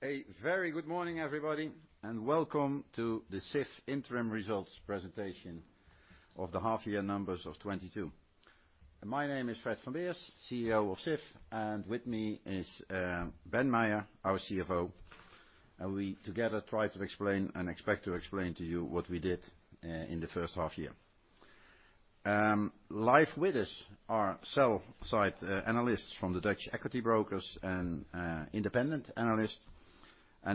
A very good morning, everybody, and welcome to the Sif interim results presentation of the half year numbers of 2022. My name is Fred van Beers, CEO of Sif, and with me is Ben Meijer, our CFO. We together try to explain and expect to explain to you what we did in the first half year. Live with us are sell side analysts from the Dutch equity brokers and independent analysts.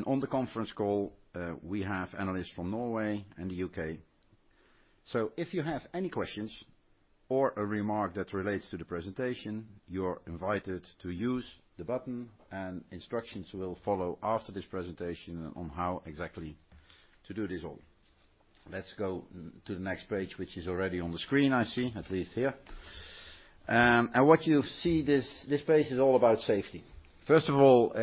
On the conference call, we have analysts from Norway and the U.K.. If you have any questions or a remark that relates to the presentation, you're invited to use the button, and instructions will follow after this presentation on how exactly to do this all. Let's go to the next page, which is already on the screen I see, at least here. What you see, this page is all about safety. First of all,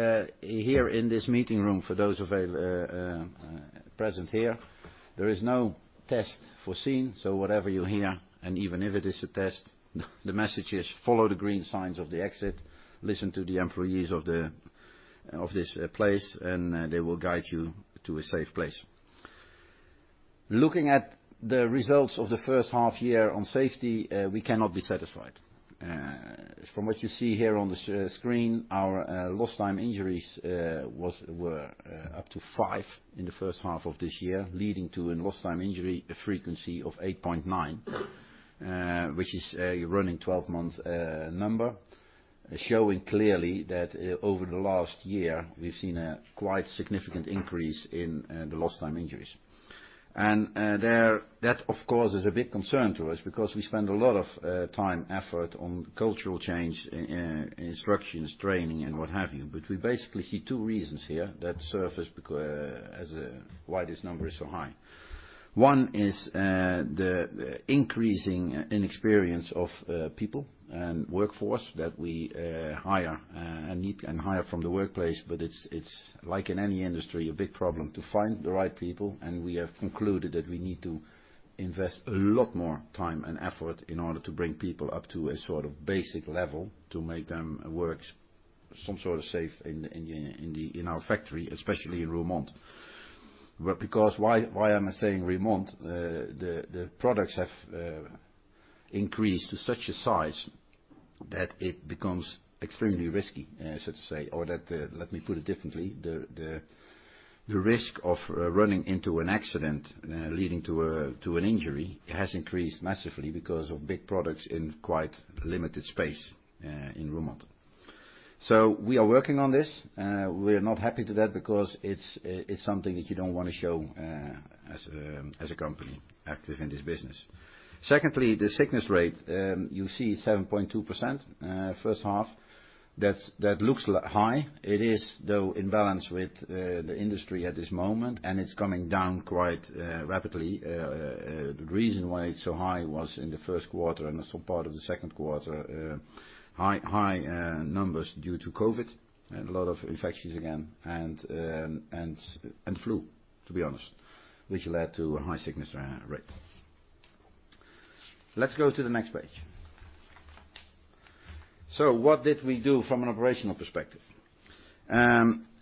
here in this meeting room, for those of you present here, there is no test foreseen. Whatever you hear, and even if it is a test, the message is follow the green signs to the exit, listen to the employees of this place, and they will guide you to a safe place. Looking at the results of the first half year on safety, we cannot be satisfied. From what you see here on the screen, our lost time injuries were up to five in the first half of this year, leading to a lost time injury frequency of 8.9, which is a running 12 months number, showing clearly that over the last year, we've seen a quite significant increase in the lost time injuries. That, of course, is a big concern to us because we spend a lot of time, effort on cultural change, instructions, training, and what have you. We basically see two reasons here that surface as to why this number is so high. One is the increasing inexperience of people and workforce that we hire and need and hire from the workplace, but it's like in any industry, a big problem to find the right people. We have concluded that we need to invest a lot more time and effort in order to bring people up to a sort of basic level to make them work some sort of safe in our factory, especially in Roermond. Because why am I saying Roermond? The products have increased to such a size that it becomes extremely risky, I should say, or let me put it differently. The risk of running into an accident leading to an injury has increased massively because of big products in quite limited space in Roermond. We are working on this. We're not happy with that because it's something that you don't wanna show as a company active in this business. Secondly, the sickness rate, you see it's 7.2%, first half. That looks high. It is, though, in balance with the industry at this moment, and it's coming down quite rapidly. The reason why it's so high was in the first quarter and so part of the second quarter, high numbers due to COVID. A lot of infections again, and flu, to be honest, which led to a high sickness rate. Let's go to the next page. What did we do from an operational perspective?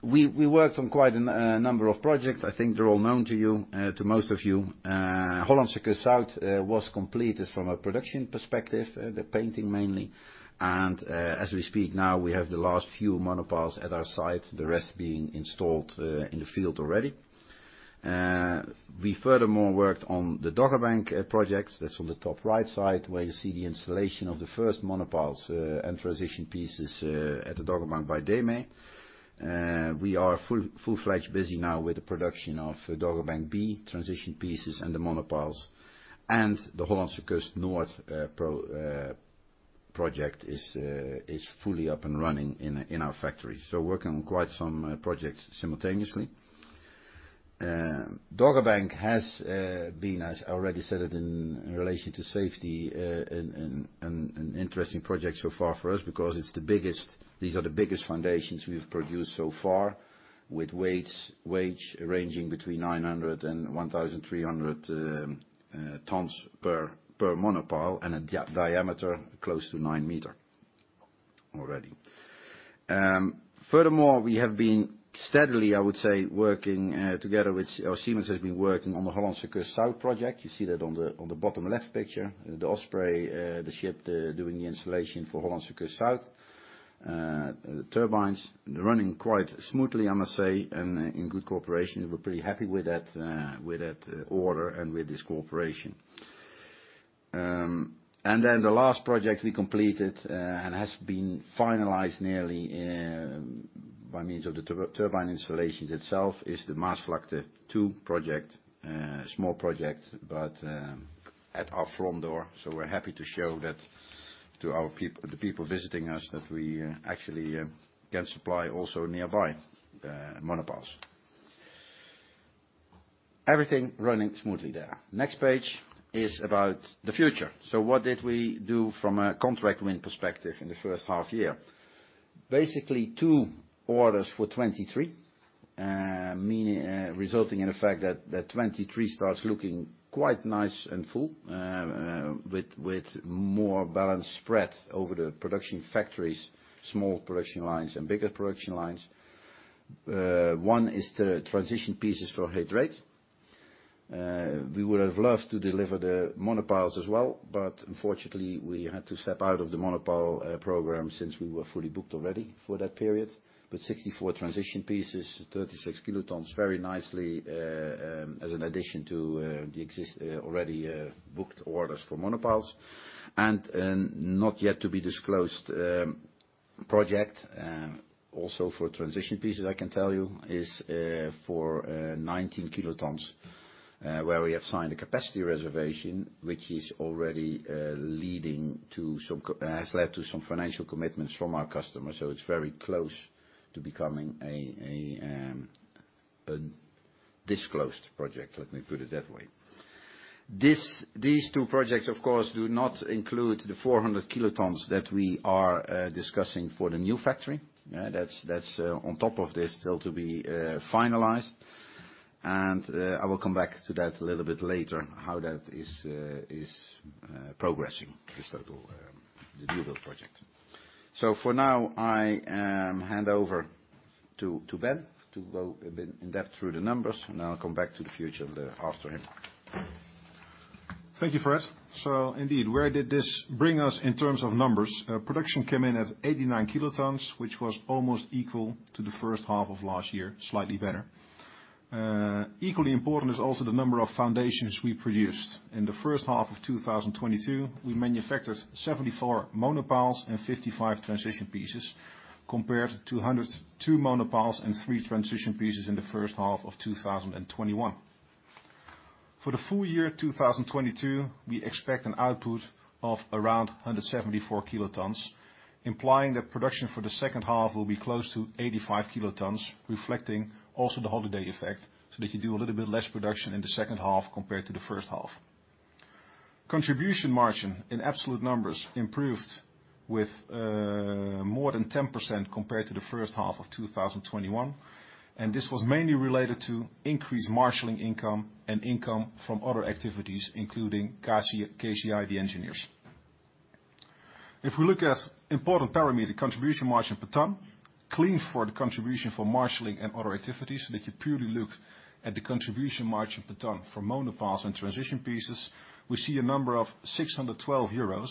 We worked on quite a number of projects. I think they're all known to you, to most of you. Hollandse Kust Zuid was completed from a production perspective, the painting mainly. As we speak now, we have the last few monopiles at our site, the rest being installed, in the field already. We furthermore worked on the Dogger Bank project. That's on the top right side, where you see the installation of the first monopiles, and transition pieces, at the Dogger Bank by Deme. We are full-fledged busy now with the production of Dogger Bank B, transition pieces and the monopiles. The Hollandse Kust Noord project is fully up and running in our factory. Working on quite some projects simultaneously. Dogger Bank has been, as I already said it in relation to safety, an interesting project so far for us because these are the biggest foundations we've produced so far with weight ranging between 900-1,300 tons per monopile and a diameter close to 9 m already. Furthermore, we have been steadily, I would say, working together with our Siemens on the Hollandse Kust Zuid project. You see that on the bottom left picture. The Wind Osprey, the ship, doing the installation for Hollandse Kust Zuid. The turbines, they're running quite smoothly, I must say, and in good cooperation. We're pretty happy with that order and with this cooperation. The last project we completed and has been finalized nearly by means of the turbine installations itself is the Maasvlakte 2 project. Small project, but at our front door. We're happy to show that to the people visiting us that we actually can supply also nearby monopiles. Everything running smoothly there. Next page is about the future. What did we do from a contract win perspective in the first half year? Basically, two orders for 2023, meaning resulting in the fact that 2023 starts looking quite nice and full with more balanced spread over the production factories, small production lines, and bigger production lines. One is the transition pieces for He Dreiht. We would have loved to deliver the monopiles as well, but unfortunately, we had to step out of the monopile program since we were fully booked already for that period. 64 transition pieces, 36 kilotons, very nicely as an addition to the already booked orders for monopiles. Not yet to be disclosed project also for transition pieces, I can tell you, is for 19 kilotons. Where we have signed a capacity reservation, which has led to some financial commitments from our customers. It's very close to becoming a disclosed project, let me put it that way. These two projects, of course, do not include the 400 kilotons that we are discussing for the new factory. Yeah, that's on top of this still to be finalized. I will come back to that a little bit later, how that is progressing, this total, the new build project. For now, I hand over to Ben to go a bit in-depth through the numbers, and I'll come back to the future a little after him. Thank you, Fred. Indeed, where did this bring us in terms of numbers? Production came in at 89 kilotons, which was almost equal to the first half of last year, slightly better. Equally important is also the number of foundations we produced. In the first half of 2022, we manufactured 74 monopiles and 55 transition pieces, compared to 102 monopiles and three transition pieces in the first half of 2021. For the full year 2022, we expect an output of around 174 kilotons, implying that production for the second half will be close to 85 kilotons, reflecting also the holiday effect, so that you do a little bit less production in the second half compared to the first half. Contribution margin in absolute numbers improved with more than 10% compared to the first half of 2021, and this was mainly related to increased marshaling income and income from other activities, including KCI the Engineers. If we look at important parameter contribution margin per ton, cleaned for the contribution for marshaling and other activities, so that you purely look at the contribution margin per ton for monopiles and transition pieces, we see a number of 612 euros,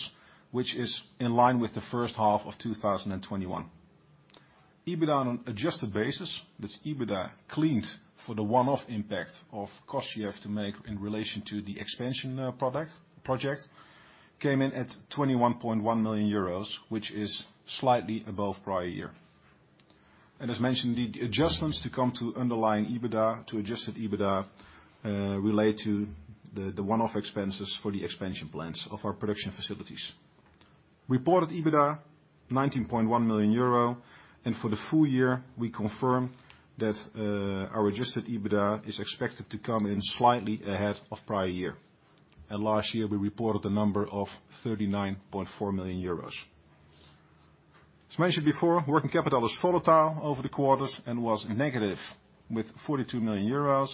which is in line with the first half of 2021. EBITDA on an adjusted basis, that's EBITDA cleaned for the one-off impact of costs you have to make in relation to the expansion project, came in at 21.1 million euros, which is slightly above prior year. As mentioned, the adjustments to come to underlying EBITDA, to adjusted EBITDA, relate to the one-off expenses for the expansion plans of our production facilities. Reported EBITDA, 19.1 million euro. For the full year, we confirm that our adjusted EBITDA is expected to come in slightly ahead of prior year. Last year, we reported a number of 39.4 million euros. As mentioned before, working capital is volatile over the quarters and was negative with 42 million euros.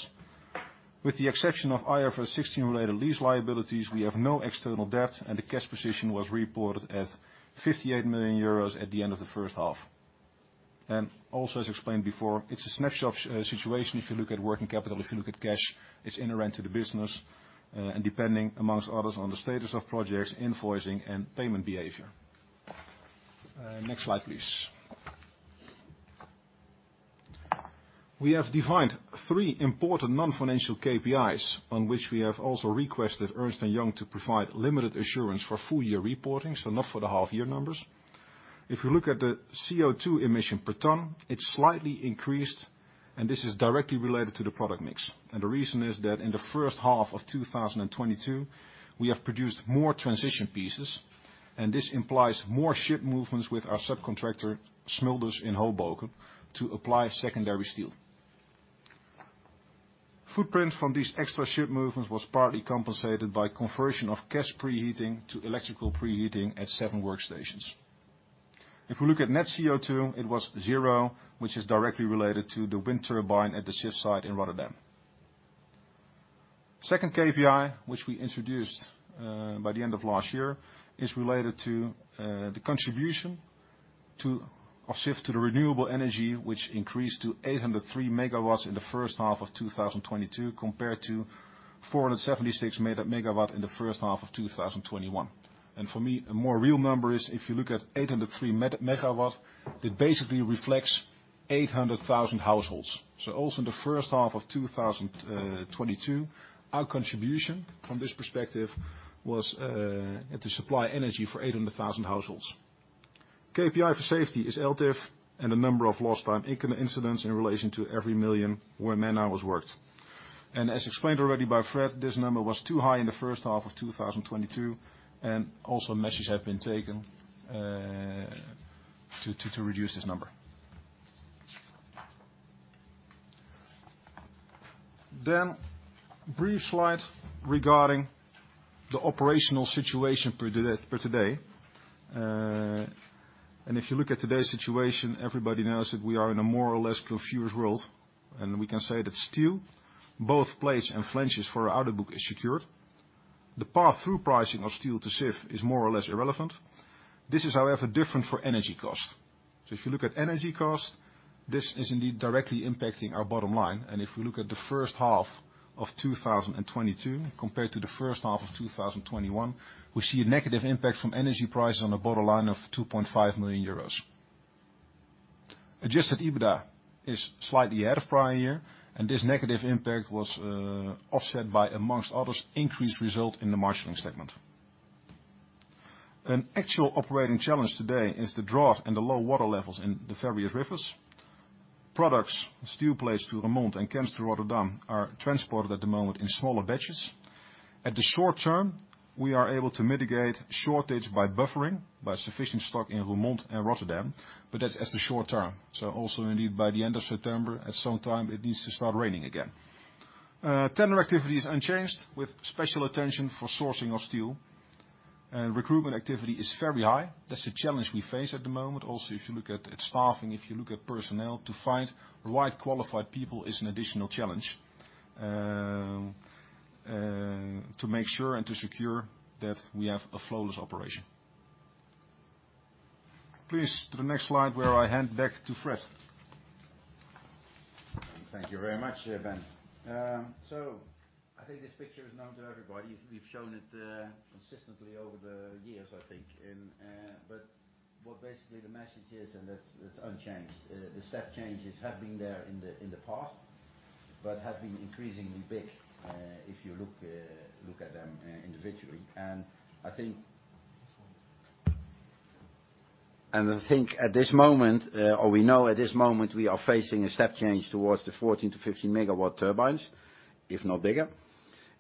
With the exception of IFRS 16 related lease liabilities, we have no external debt, and the cash position was reported at 58 million euros at the end of the first half. As explained before, it's a snapshot situation if you look at working capital, if you look at cash, it's inherent to the business, and depending among others on the status of projects, invoicing and payment behavior. Next slide, please. We have defined three important non-financial KPIs on which we have also requested Ernst & Young to provide limited assurance for full year reporting, so not for the half year numbers. If you look at the CO₂ emission per ton, it's slightly increased, and this is directly related to the product mix. The reason is that in the first half of 2022, we have produced more transition pieces, and this implies more ship movements with our subcontractor, Smulders in Hoboken, to apply secondary steel. Footprint from these extra ship movements was partly compensated by conversion of gas preheating to electrical preheating at seven workstations. If we look at net CO₂, it was 0, which is directly related to the wind turbine at the ship's site in Rotterdam. Second KPI, which we introduced by the end of last year, is related to the contribution or shift to the renewable energy, which increased to 803 MW in the first half of 2022, compared to 476 MW in the first half of 2021. For me, a more real number is if you look at 803 megawatts, it basically reflects 800,000 households. Also in the first half of 2022, our contribution from this perspective was to supply energy for 800,000 households. KPI for safety is LTIF and the number of lost time incidents in relation to every million man hours worked. As explained already by Fred, this number was too high in the first half of 2022, and also measures have been taken to reduce this number. Brief slide regarding the operational situation per today. If you look at today's situation, everybody knows that we are in a more or less confused world, and we can say that steel, both plates and flanges for our order book is secured. The pass-through pricing of steel to Sif is more or less irrelevant. This is, however, different for energy costs. If you look at energy costs, this is indeed directly impacting our bottom line. If we look at the first half of 2022 compared to the first half of 2021, we see a negative impact from energy prices on the bottom line of 2.5 million euros. Adjusted EBITDA is slightly ahead of prior year, and this negative impact was offset by, amongst others, increased result in the marshaling segment. An actual operating challenge today is the drought and the low water levels in the various rivers. Products, steel plates to Roermond and Kemps to Rotterdam, are transported at the moment in smaller batches. In the short term, we are able to mitigate shortage by buffering, by sufficient stock in Roermond and Rotterdam, but that's for the short term. Also indeed by the end of September, at some time, it needs to start raining again. Tender activity is unchanged, with special attention for sourcing of steel. Recruitment activity is very high. That's the challenge we face at the moment. Also, if you look at staffing, if you look at personnel, to find the right qualified people is an additional challenge to make sure and to secure that we have a flawless operation. Please, to the next slide where I hand back to Fred. Thank you very much, Ben. I think this picture is known to everybody. We've shown it consistently over the years, I think. What basically the message is, and that's unchanged. The step changes have been there in the past, but have been increasingly big, if you look at them individually. I think at this moment, or we know at this moment, we are facing a step change towards the 14-15 MW turbines, if not bigger.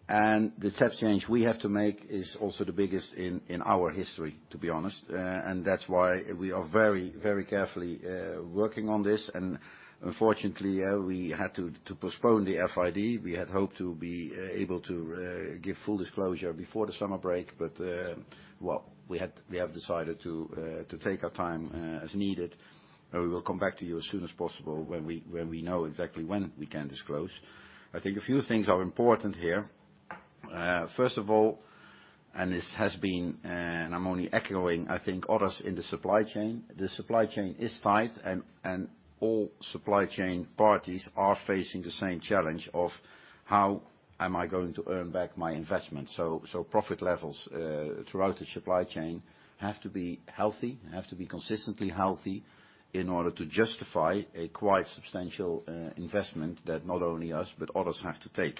The step change we have to make is also the biggest in our history, to be honest. That's why we are very, very carefully working on this. Unfortunately, we had to postpone the FID. We had hoped to be able to give full disclosure before the summer break, but well, we have decided to take our time as needed, and we will come back to you as soon as possible when we know exactly when we can disclose. I think a few things are important here. First of all, this has been, and I'm only echoing, I think, others in the supply chain. The supply chain is tight and all supply chain parties are facing the same challenge of how am I going to earn back my investment. Profit levels throughout the supply chain have to be consistently healthy in order to justify a quite substantial investment that not only us, but others have to take.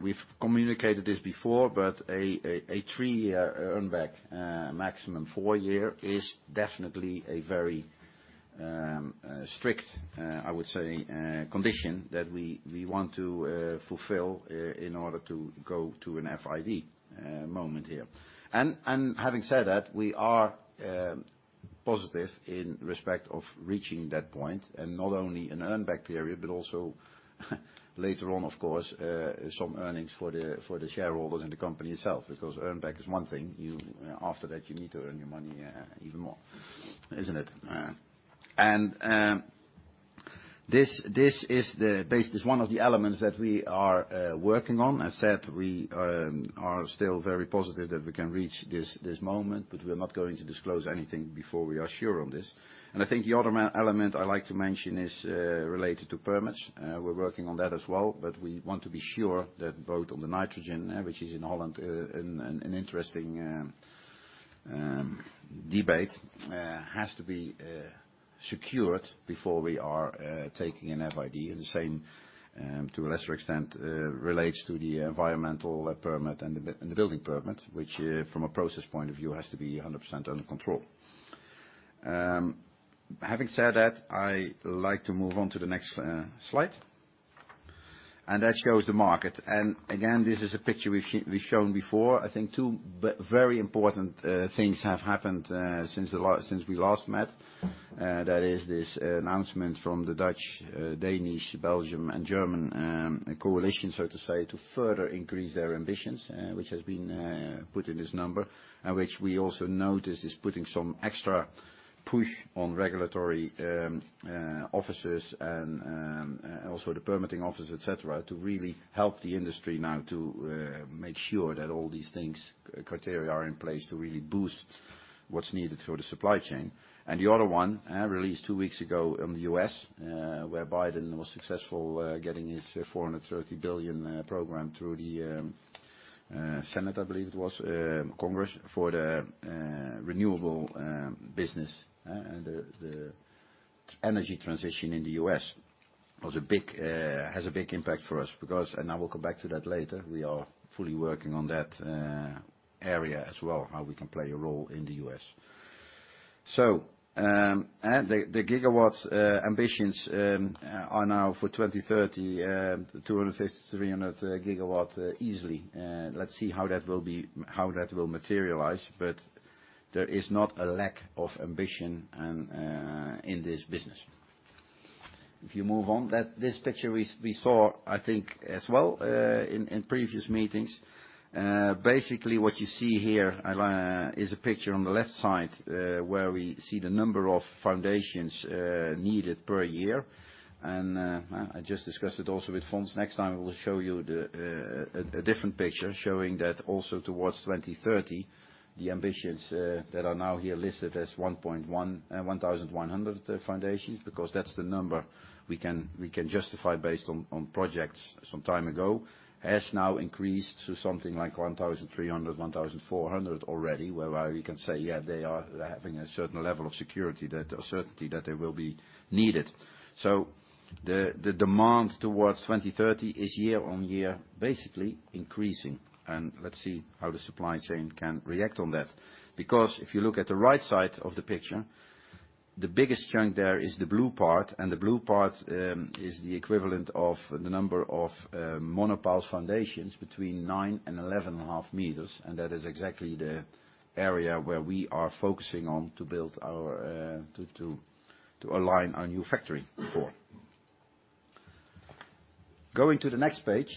We've communicated this before, but a three-year earn back, maximum four-year, is definitely a very strict, I would say, condition that we want to fulfill in order to go to an FID moment here. Having said that, we are positive in respect of reaching that point, and not only an earn back period, but also later on, of course, some earnings for the shareholders and the company itself, because earn back is one thing. You, after that, you need to earn your money even more, isn't it? This is one of the elements that we are working on. I said we are still very positive that we can reach this moment, but we're not going to disclose anything before we are sure on this. I think the other element I like to mention is related to permits. We're working on that as well, but we want to be sure that both on the nitrogen, which is in Holland, an interesting debate, has to be secured before we are taking an FID. The same, to a lesser extent, relates to the environmental permit and the building permit, which, from a process point of view, has to be 100% under control. Having said that, I like to move on to the next slide. That shows the market. This is a picture we've shown before. I think two very important things have happened since we last met. That is this announcement from the Dutch, Danish, Belgian and German coalition, so to say, to further increase their ambitions, which has been put in this number, and which we also noticed is putting some extra push on regulatory offices and also the permitting offices, et cetera, to really help the industry now to make sure that all these things, criteria are in place to really boost what's needed for the supply chain. The other one, released two weeks ago in the U.S., where Biden was successful getting his $430 billion program through the Senate, I believe it was, Congress, for the renewable business, and the energy transition in the U.S. has a big impact for us because and I will come back to that later, we are fully working on that area as well, how we can play a role in the U.S.. The gigawatts ambitions are now for 2030, 250-300 GW easily. Let's see how that will be, how that will materialize. There is not a lack of ambition in this business. If you move on to this picture we saw, I think, as well, in previous meetings. Basically, what you see here is a picture on the left side, where we see the number of foundations needed per year. I just discussed it also with Fons next time, we will show you a different picture showing that also towards 2030, the ambitions that are now here listed as 1.1,100 foundations, because that's the number we can justify based on projects some time ago, has now increased to something like 1,300, 1,400 already, whereby we can say, yeah, they are having a certain level of certainty that they will be needed. The demand towards 2030 is year-on-year basically increasing. Let's see how the supply chain can react on that. Because if you look at the right side of the picture, the biggest chunk there is the blue part, and the blue part is the equivalent of the number of monopiles foundations between nine and 11.5 m, and that is exactly the area where we are focusing on to build our to align our new factory for. Going to the next page,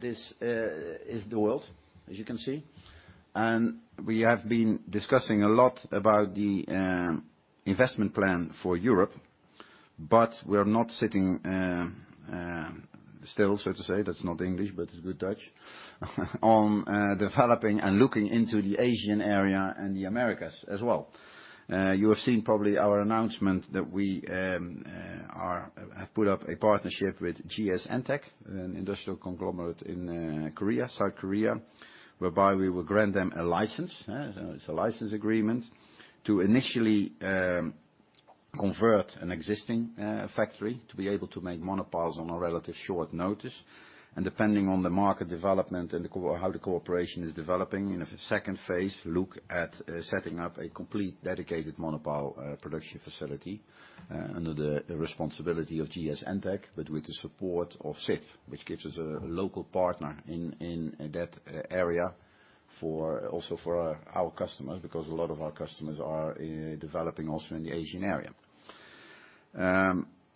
this is the world, as you can see. We have been discussing a lot about the investment plan for Europe, but we're not sitting still, so to say. That's not English, but it's good Dutch on developing and looking into the Asian area and the Americas as well. You have seen probably our announcement that we have put up a partnership with GS EnTec, an industrial conglomerate in South Korea, whereby we will grant them a license. It's a license agreement to initially convert an existing factory to be able to make monopiles on a relatively short notice. Depending on the market development and how the cooperation is developing, in a second phase, look at setting up a complete dedicated monopile production facility under the responsibility of GS EnTec, but with the support of Sif, which gives us a local partner in that area also for our customers, because a lot of our customers are developing also in the Asian area.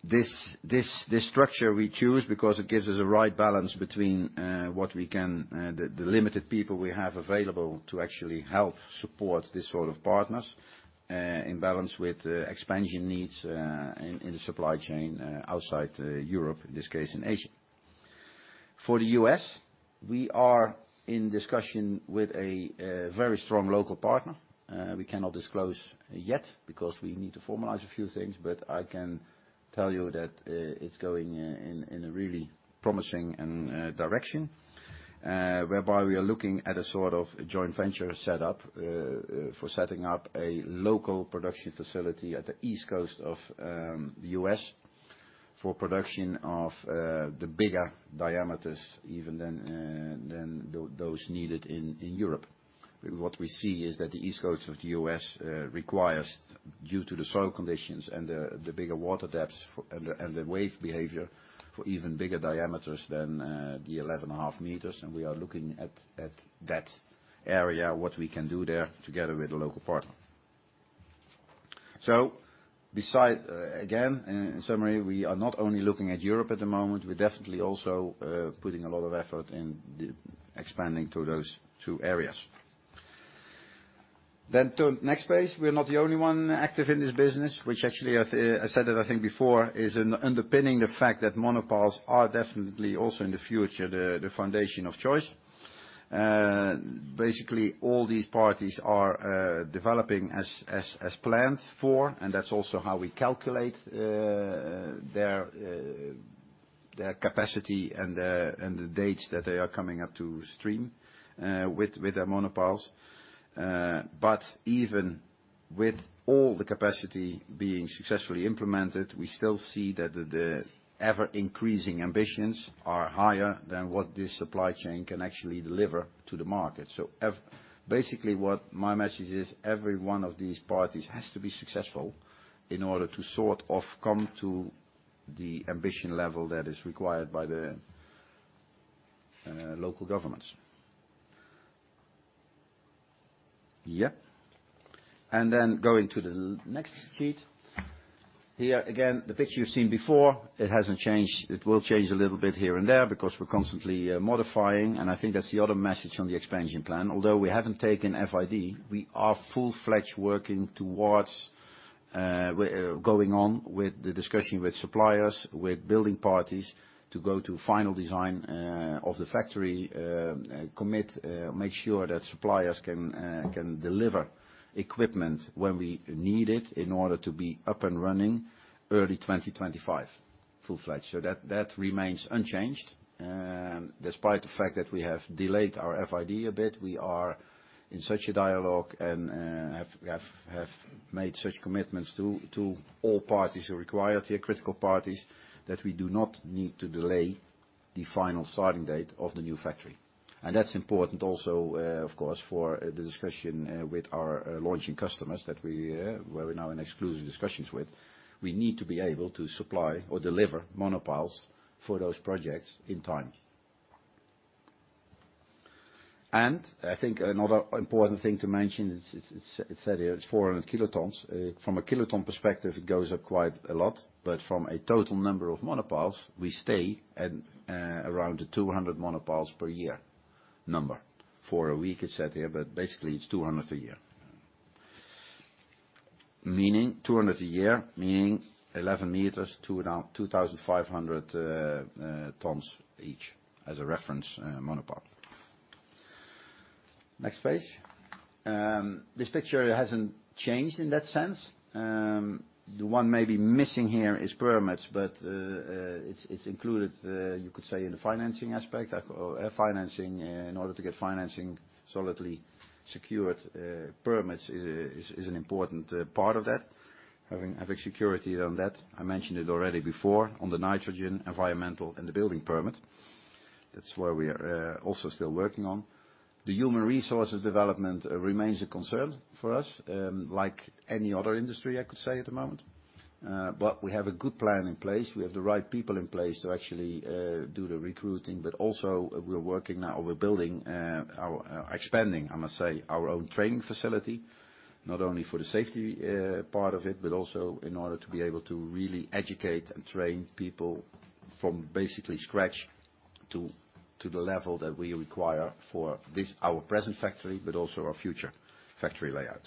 This structure we choose because it gives us a right balance between the limited people we have available to actually help support this sort of partners in balance with the expansion needs in the supply chain outside Europe, in this case, in Asia. For the U.S., we are in discussion with a very strong local partner. We cannot disclose yet because we need to formalize a few things, but I can tell you that it's going in a really promising direction, whereby we are looking at a sort of joint venture set up for setting up a local production facility at the East Coast of the U.S. for production of the bigger diameters even than those needed in Europe. What we see is that the East Coast of the U.S. requires, due to the soil conditions and the bigger water depths and the wave behavior, for even bigger diameters than the 11.5 meters. We are looking at that area, what we can do there together with a local partner. Besides, again, in summary, we are not only looking at Europe at the moment, we're definitely also putting a lot of effort in the expanding to those two areas. To next page, we are not the only one active in this business, which actually I said it, I think, before, is an underpinning the fact that monopiles are definitely also in the future, the foundation of choice. Basically, all these parties are developing as planned for, and that's also how we calculate their capacity and the dates that they are coming up to stream with their monopiles. Even with all the capacity being successfully implemented, we still see that the ever-increasing ambitions are higher than what this supply chain can actually deliver to the market. Basically, what my message is, every one of these parties has to be successful in order to sort of come to the ambition level that is required by the local governments. Yeah. Going to the next sheet. Here, again, the picture you've seen before, it hasn't changed. It will change a little bit here and there because we're constantly modifying, and I think that's the other message on the expansion plan. Although we haven't taken FID, we are full-fledged working towards going on with the discussion with suppliers, with building parties to go to final design of the factory, make sure that suppliers can deliver equipment when we need it in order to be up and running early 2025, full-fledged. That remains unchanged. Despite the fact that we have delayed our FID a bit, we are in such a dialogue and have made such commitments to all parties who require, the critical parties, that we do not need to delay the final starting date of the new factory. That's important also, of course, for the discussion with our launching customers that we're now in exclusive discussions with. We need to be able to supply or deliver monopiles for those projects in time. I think another important thing to mention is, it said here it's 400 kilotons. From a kiloton perspective, it goes up quite a lot, but from a total number of monopiles, we stay at around the 200 monopiles per year number. Per week, it's said here, but basically it's 200 a year. Meaning 200 a year, meaning 11 meters to around 2,500 tons each as a reference monopile. Next page. This picture hasn't changed in that sense. The one maybe missing here is permits, but it's included, you could say, in the financing aspect. Financing, in order to get financing solidly secured, permits is an important part of that. Having security on that, I mentioned it already before, on the nitrogen, environmental and the building permit. That's where we are also still working on. The human resources development remains a concern for us, like any other industry, I could say, at the moment. We have a good plan in place. We have the right people in place to actually do the recruiting. Also we're working now, we're building our. Expanding, I must say, our own training facility, not only for the safety part of it, but also in order to be able to really educate and train people from basically scratch to the level that we require for this, our present factory, but also our future factory layout.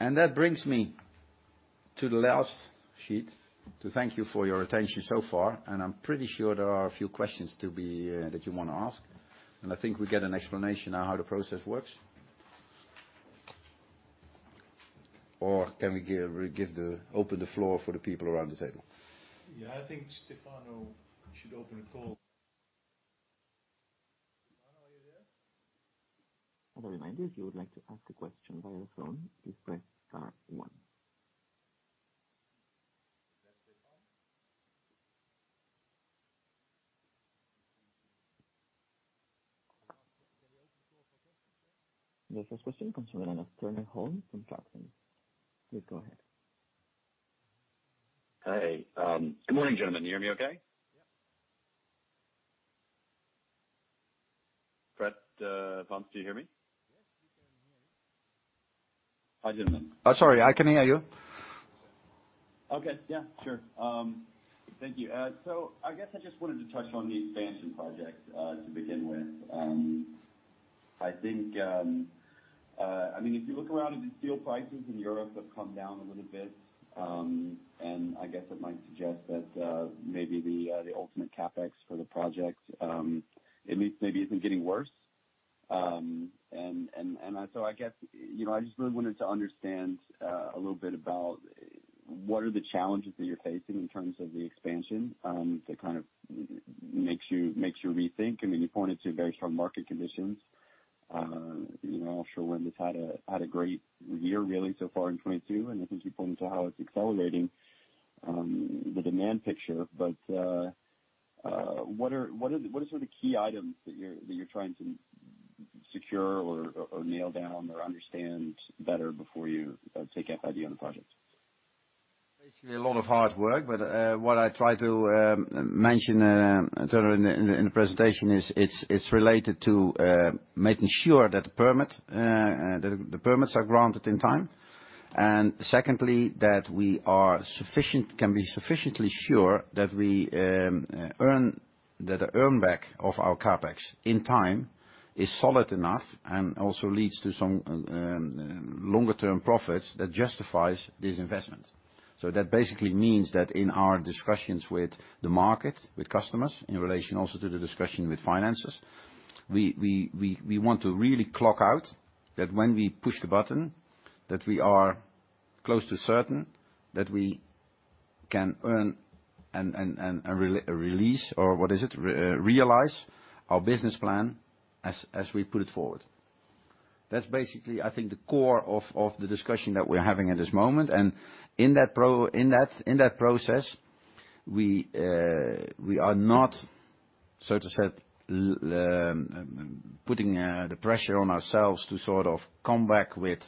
That brings me to the last sheet to thank you for your attention so far, and I'm pretty sure there are a few questions that you wanna ask, and I think we get an explanation on how the process works. Open the floor for the people around the table. Yeah. I think Stefano should open the call. Stefano, are you there? As a reminder, if you would like to ask a question via phone, please press star one. Stefano? Yes, first question comes from Turner Holm from Clarkson. Please go ahead. Hey. Good morning, gentlemen. You hear me okay? Fred, Ben, do you hear me? Yes, we can hear you. Hi, gentlemen. Sorry. I can hear you. Okay. Yeah, sure. Thank you. I guess I just wanted to touch on the expansion project to begin with. I think, I mean, if you look around at the steel prices in Europe have come down a little bit, and I guess it might suggest that, maybe the ultimate CapEx for the project at least maybe isn't getting worse. I guess, you know, I just really wanted to understand a little bit about what are the challenges that you're facing in terms of the expansion that kind of makes you rethink? I mean, you pointed to very strong market conditions. You know, offshore wind has had a great year really so far in 2022, and I think you pointed to how it's accelerating the demand picture. What are sort of key items that you're trying to secure or nail down or understand better before you take FID on the project? Basically a lot of hard work, but what I try to mention, Turner, in the presentation is it's related to making sure that the permits are granted in time. Secondly, that we can be sufficiently sure that the earn back of our CapEx in time is solid enough and also leads to some longer term profits that justifies this investment. That basically means that in our discussions with the market, with customers, in relation also to the discussion with financiers, we want to really lock in that when we push the button, that we are close to certain that we can earn and realize our business plan as we put it forward. That's basically, I think, the core of the discussion that we're having at this moment. In that process, we are not, so to say, putting the pressure on ourselves to sort of come back with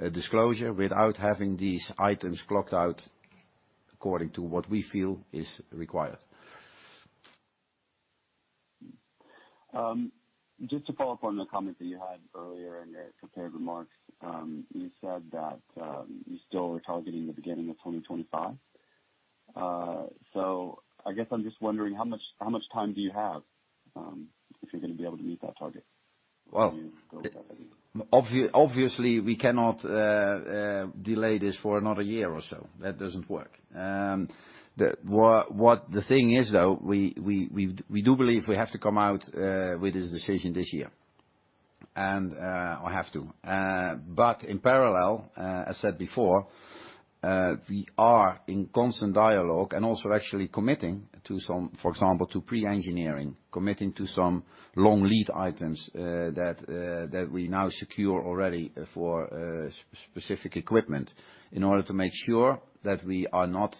a disclosure without having these items clocked out according to what we feel is required. Just to follow up on the comment that you had earlier in your prepared remarks. You said that you still are targeting the beginning of 2025. I guess I'm just wondering how much time do you have if you're gonna be able to meet that target? Well- Obviously, we cannot delay this for another year or so. That doesn't work. The thing is though, we do believe we have to come out with this decision this year, and or have to. In parallel, as said before, we are in constant dialogue and also actually committing to some, for example, to pre-engineering, committing to some long lead items, that we now secure already for specific equipment in order to make sure that we are not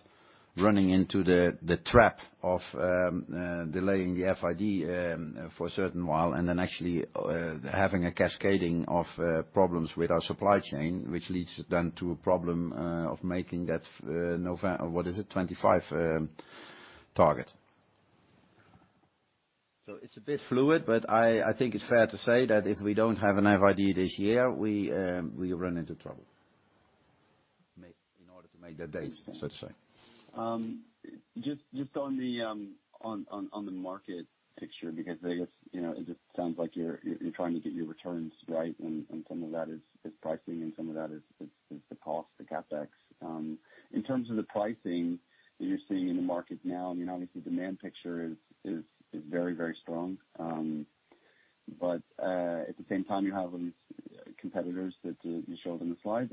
running into the trap of delaying the FID for a certain while, and then actually having a cascading of problems with our supply chain, which leads then to a problem of making that or what is it? 25 target. It's a bit fluid, but I think it's fair to say that if we don't have an FID this year, we'll run into trouble. In order to make the dates, so to say. Just on the market picture, because I guess, you know, it just sounds like you're trying to get your returns right, and some of that is the cost, the CapEx. In terms of the pricing that you're seeing in the market now, I mean, obviously, the demand picture is very strong. At the same time, you have competitors that you show on the slide.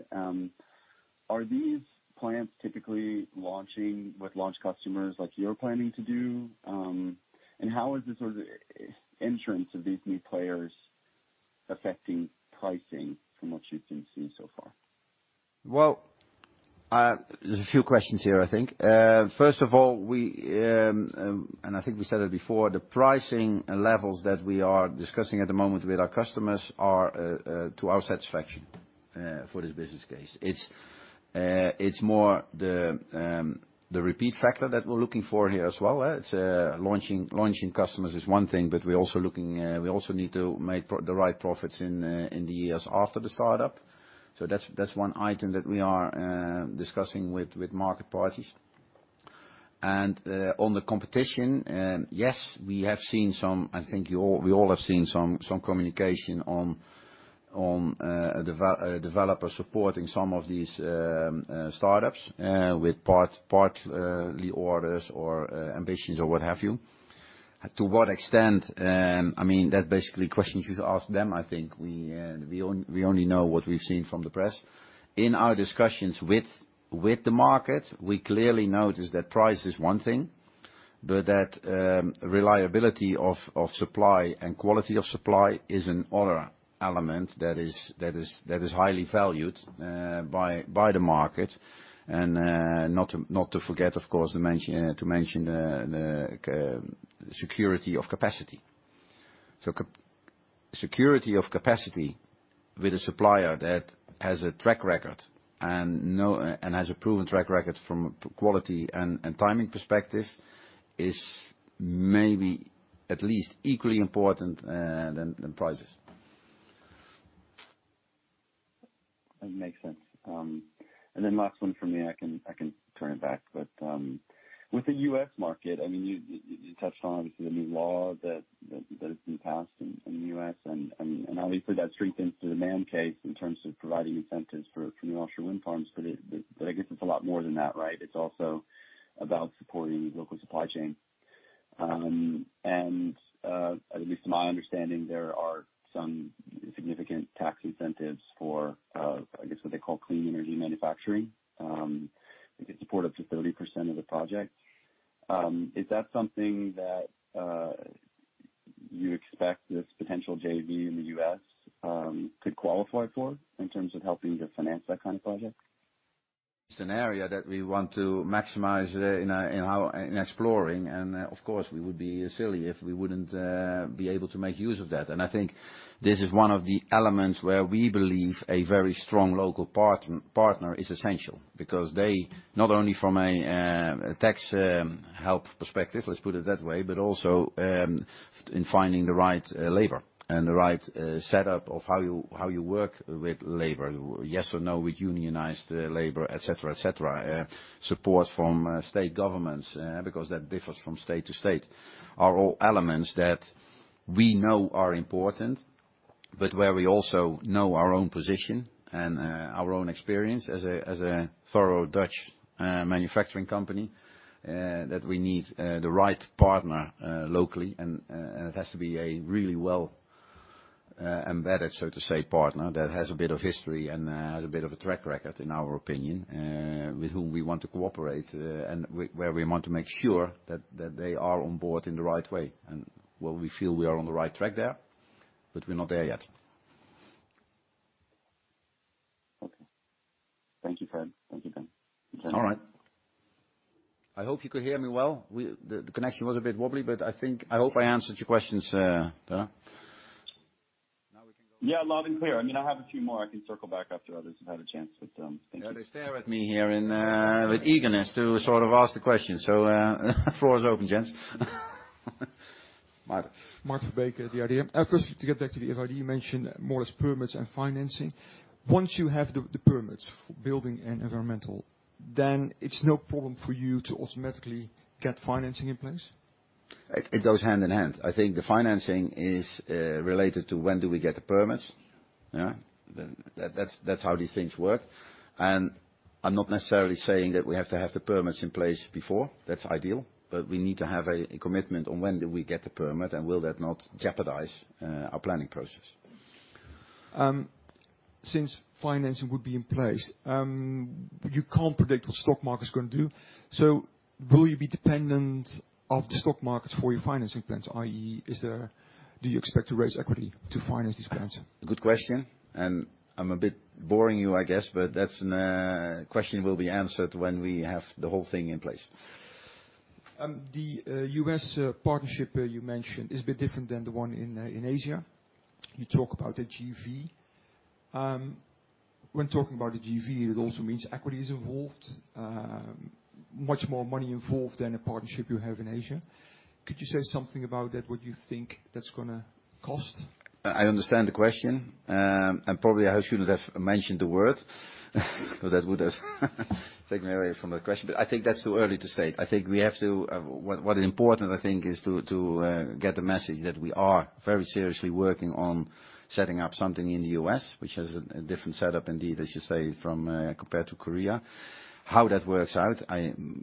Are these plants typically launching with launch customers like you're planning to do? How is the sort of entrance of these new players affecting pricing from what you've been seeing so far? Well, there's a few questions here, I think. First of all, I think we said it before, the pricing levels that we are discussing at the moment with our customers are to our satisfaction for this business case. It's more the repeat factor that we're looking for here as well. It's launching customers is one thing, but we're also looking, we also need to make the right profits in the years after the startup. That's one item that we are discussing with market parties. On the competition, yes, we have seen some. I think we all have seen some communication on a developer supporting some of these startups with partly orders or ambitions or what have you. To what extent, I mean, that's the basic question you should ask them. I think we only know what we've seen from the press. In our discussions with the market, we clearly notice that price is one thing, but that reliability of supply and quality of supply is another element that is highly valued by the market. Not to forget, of course, to mention the security of capacity. Securing capacity with a supplier that has a track record and has a proven track record from a quality and timing perspective is maybe at least equally important than prices. That makes sense. Last one from me, I can turn it back. With the U.S. market, I mean, you touched on obviously the new law that has been passed in the U.S.. I mean, obviously that strengthens the demand case in terms of providing incentives for community offshore wind farms. I guess it's a lot more than that, right? It's also about supporting local supply chain. At least to my understanding, there are some significant tax incentives for, I guess, what they call clean energy manufacturing. It could support up to 30% of the project. Is that something that you expect this potential JV in the U.S. could qualify for in terms of helping to finance that kind of project? It's an area that we want to maximize in our exploring, and of course, we would be silly if we wouldn't be able to make use of that. I think this is one of the elements where we believe a very strong local partner is essential because they, not only from a tax help perspective, let's put it that way, but also in finding the right labor and the right setup of how you work with labor, yes or no, with unionized labor, et cetera. Support from state governments, because that differs from state to state, are all elements that we know are important, but where we also know our own position and our own experience as a thorough Dutch manufacturing company that we need the right partner locally. It has to be a really well embedded, so to say, partner that has a bit of history and has a bit of a track record, in our opinion, with whom we want to cooperate and where we want to make sure that they are on board in the right way. Well, we feel we are on the right track there, but we're not there yet. Okay. Thank you, Fred. Thank you, Ben. All right. I hope you could hear me well. The connection was a bit wobbly, but I think I hope I answered your questions, Ben. Yeah, loud and clear. I mean, I have a few more. I can circle back after others have had a chance, but, thank you. Yeah, they stare at me here in, with eagerness to sort of ask the question. Floor is open, gents. Martijn. Martijn den Drjver. First, to get back to the FID, you mentioned more on permits and financing. Once you have the permits, building and environmental, then it's no problem for you to automatically get financing in place? It goes hand in hand. I think the financing is related to when do we get the permits, yeah. That's how these things work. I'm not necessarily saying that we have to have the permits in place before. That's ideal, but we need to have a commitment on when do we get the permit, and will that not jeopardize our planning process. Since financing would be in place, you can't predict what stock market's gonna do. Will you be dependent of the stock market for your financing plans? i.e. Do you expect to raise equity to finance these plans? Good question. I'm a bit boring you, I guess, but that's, a question will be answered when we have the whole thing in place. The U.S. partnership you mentioned is a bit different than the one in Asia. You talk about a JV, when talking about the JV, it also means equity is involved, much more money involved than a partnership you have in Asia. Could you say something about that, what you think that's gonna cost? I understand the question. Probably I shouldn't have mentioned the word so that would have taken away from the question, but I think that's too early to say. What is important, I think, is to get the message that we are very seriously working on setting up something in the U.S., which has a different setup indeed, as you say, from compared to Korea. How that works out,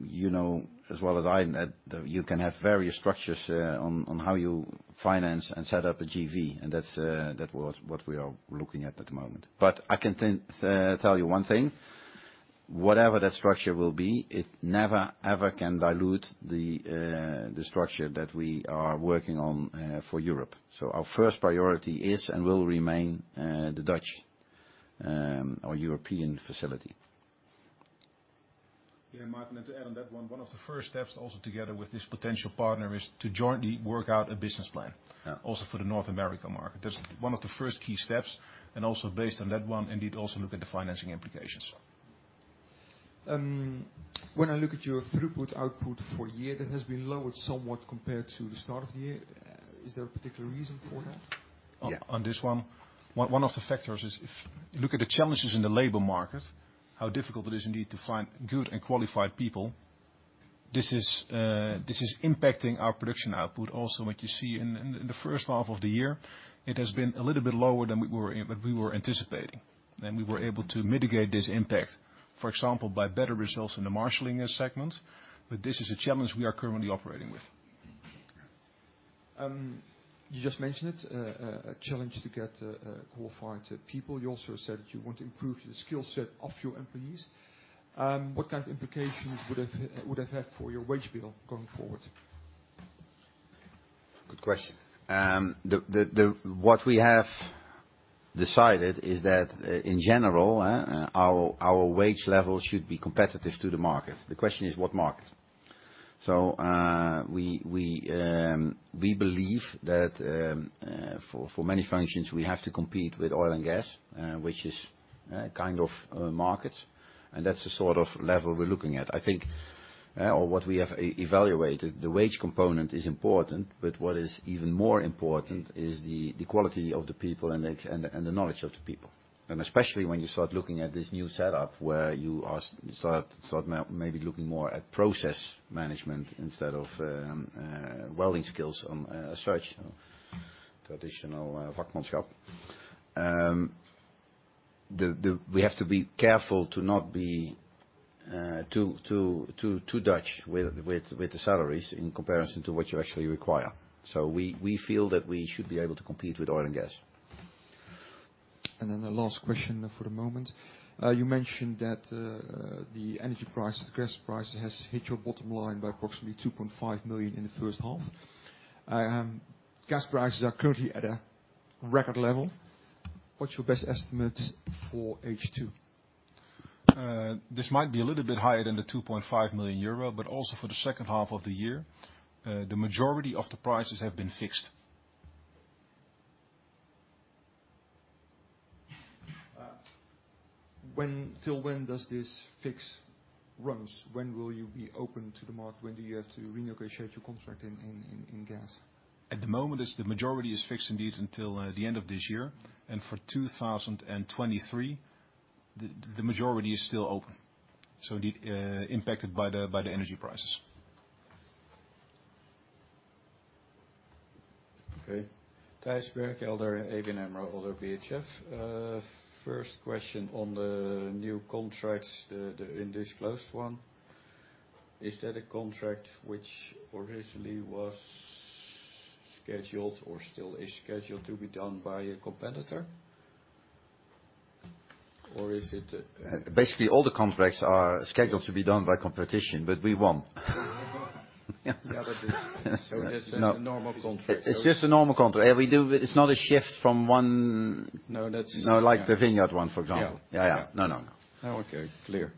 you know as well as I that you can have various structures on how you finance and set up a JV, and that was what we are looking at at the moment. I can tell you one thing, whatever that structure will be, it never, ever can dilute the structure that we are working on for Europe. Our first priority is and will remain the Dutch or European facility. Martijn, to add on that one of the first steps also together with this potential partner is to jointly work out a business plan. Yeah... also for the North America market. That's one of the first key steps, and also based on that one, indeed also look at the financing implications. When I look at your throughput output for year, that has been lowered somewhat compared to the start of the year. Is there a particular reason for that? Yeah. One of the factors is if you look at the challenges in the labor market, how difficult it is indeed to find good and qualified people. This is impacting our production output also, which you see in the first half of the year. It has been a little bit lower than we were anticipating. We were able to mitigate this impact, for example, by better results in the marshaling segment. This is a challenge we are currently operating with. You just mentioned it, a challenge to get qualified people. You also said that you want to improve the skill set of your employees. What kind of implications would it have for your wage bill going forward? Good question. What we have decided is that in general, our wage level should be competitive to the market. The question is what market? We believe that for many functions, we have to compete with oil and gas, which is kind of our market, and that's the sort of level we're looking at. I think what we have evaluated, the wage component is important, but what is even more important is the quality of the people and the knowledge of the people. Especially when you start looking at this new setup where you start maybe looking more at process management instead of welding skills, as such, traditional vakmanschap. We have to be careful to not be too Dutch with the salaries in comparison to what you actually require. We feel that we should be able to compete with oil and gas. The last question for the moment. You mentioned that the energy price, the gas price has hit your bottom line by approximately 2.5 million in the first half. Gas prices are currently at a record level. What's your best estimate for H2? This might be a little bit higher than the 2.5 million euro, but also for the second half of the year, the majority of the prices have been fixed. Till when does this fix runs? When will you be open to the market? When do you have to renegotiate your contract in gas? At the moment the majority is fixed indeed until the end of this year. For 2023, the majority is still open, so it impacted by the energy prices. Okay. Thijs Berkelder, ABN AMRO ODDO BHF. First question on the new contracts, the undisclosed one. Is that a contract which originally was scheduled or still is scheduled to be done by a competitor? Or is it Basically, all the contracts are scheduled to be done by completion, but we won. Yeah, but it's- No. It is a normal contract. It's just a normal contract. It's not a shift from one- No, that's. No, like the Vineyard one, for example. Yeah. Yeah, yeah. No, no. Oh, okay. Clear.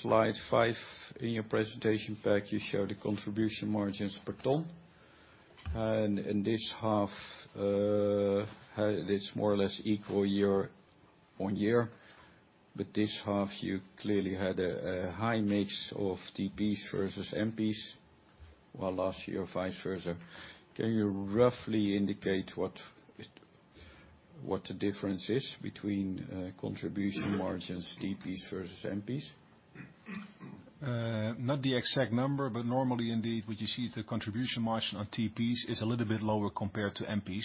Slide five in your presentation pack, you show the contribution margins per ton. In this half, it's more or less equal year on year, but this half you clearly had a high mix of TPs versus MPs, while last year vice versa. Can you roughly indicate what the difference is between contribution margins, TPs versus MPs? Not the exact number, but normally indeed, what you see is the contribution margin on TPs is a little bit lower compared to MPs.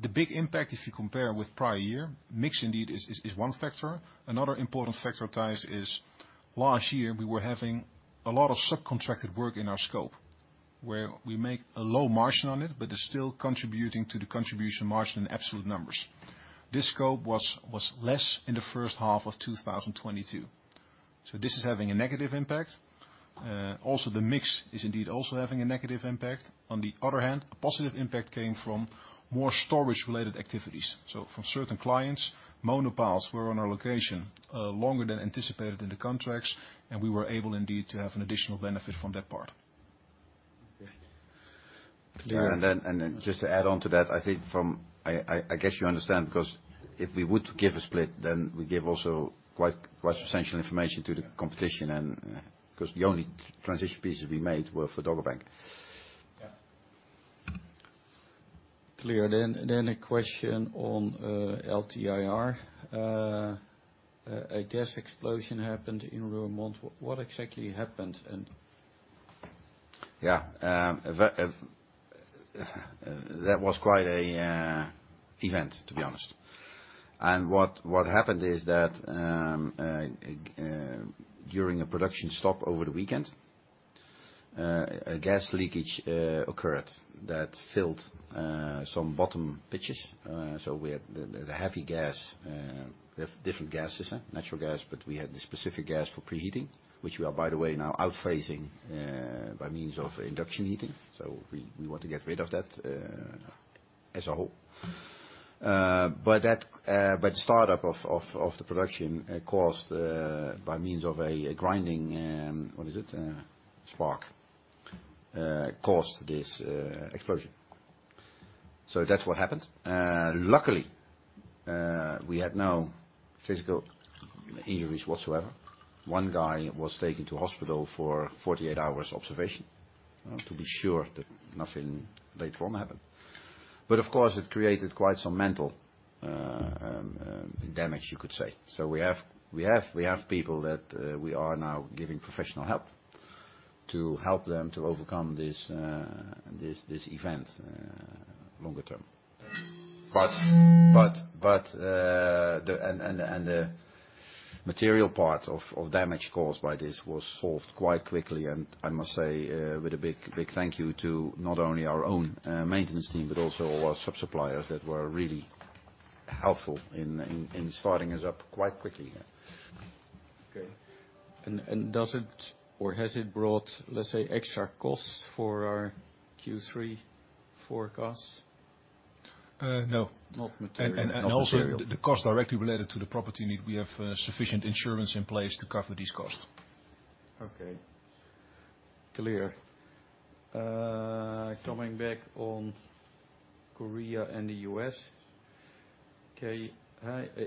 The big impact, if you compare with prior year, mix indeed is one factor. Another important factor, Thijs, is last year we were having a lot of subcontracted work in our scope, where we make a low margin on it, but it's still contributing to the contribution margin in absolute numbers. This scope was less in the first half of 2022. This is having a negative impact. Also the mix is indeed also having a negative impact. On the other hand, a positive impact came from more storage-related activities. From certain clients, monopiles were on our location longer than anticipated in the contracts, and we were able indeed to have an additional benefit from that part. Just to add on to that, I think, I guess you understand, because if we would give a split, then we give also quite substantial information to the competition and 'cause the only transition pieces we made were for Dogger Bank. Yeah. Clear. A question on LTIR. A gas explosion happened in Roermond. What exactly happened? Yeah. That was quite a event, to be honest. What happened is that during a production stop over the weekend, a gas leakage occurred that filled some bottom pits. We had the heavy gas. We have different gases, huh? Natural gas, but we had this specific gas for preheating, which we are, by the way, now phasing out by means of induction heating. We want to get rid of that as a whole. The startup of the production caused, by means of a grinding spark, cause this explosion. That's what happened. Luckily, we had no physical injuries whatsoever. One guy was taken to hospital for 48 hours observation, to be sure that nothing later on happened. Of course, it created quite some mental damage you could say. We have people that we are now giving professional help to help them to overcome this event longer term. The material part of damage caused by this was solved quite quickly. I must say, with a big thank you to not only our own maintenance team, but also our sub-suppliers that were really helpful in starting us up quite quickly here. Okay. Does it or has it brought, let's say, extra costs for our Q3 forecast? No. Not material. Also, the cost directly related to the property need. We have sufficient insurance in place to cover these costs. Okay. Clear. Coming back on Korea and the U.S.. Okay.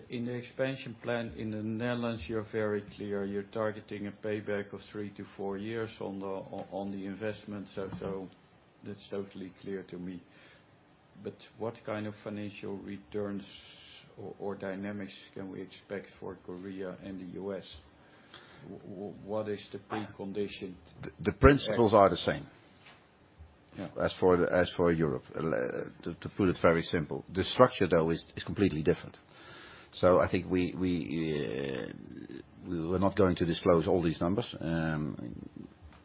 In the expansion plan in the Netherlands, you're very clear. You're targeting a payback of 3-4 years on the investment. That's totally clear to me. What kind of financial returns or dynamics can we expect for Korea and the U.S.? What is the precondition to- The principles are the same. Yeah As for Europe. To put it very simple. The structure though is completely different. I think we're not going to disclose all these numbers.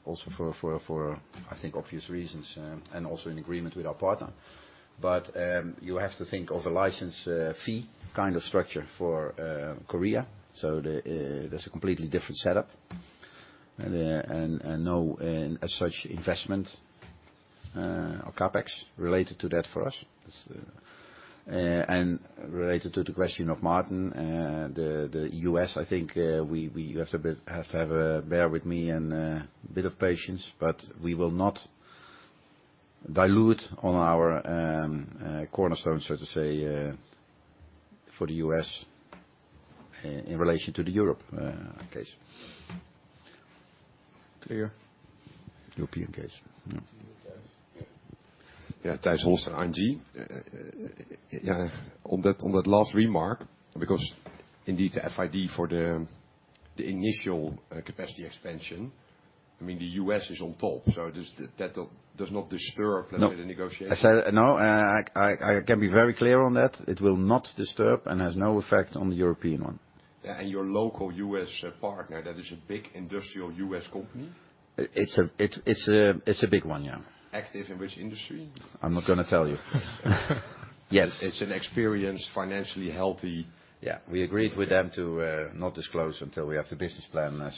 Also, for I think obvious reasons and also in agreement with our partner. You have to think of a license fee kind of structure for Korea. There's a completely different setup. No as such investment or CapEx related to that for us. Related to the question of Martijn, the U.S., I think, we. You have to bear with me and a bit of patience, but we will not dilute on our cornerstone, so to say, for the U.S. in relation to the Europe case. Clear. European case. Yeah. Yeah. Yeah. Thijs Geijer, ING. Yeah, on that last remark, because indeed, the FID for the initial capacity expansion, I mean, the U.S. is on top, so does not disturb. No Let's say, the negotiation. No, I can be very clear on that. It will not disturb and has no effect on the European one. Yeah. Your local U.S. partner, that is a big industrial U.S. company. It's a big one, yeah. Active in which industry? I'm not gonna tell you. Yes. It's an experienced, financially healthy. Yeah. We agreed with them to not disclose until we have the business plan, as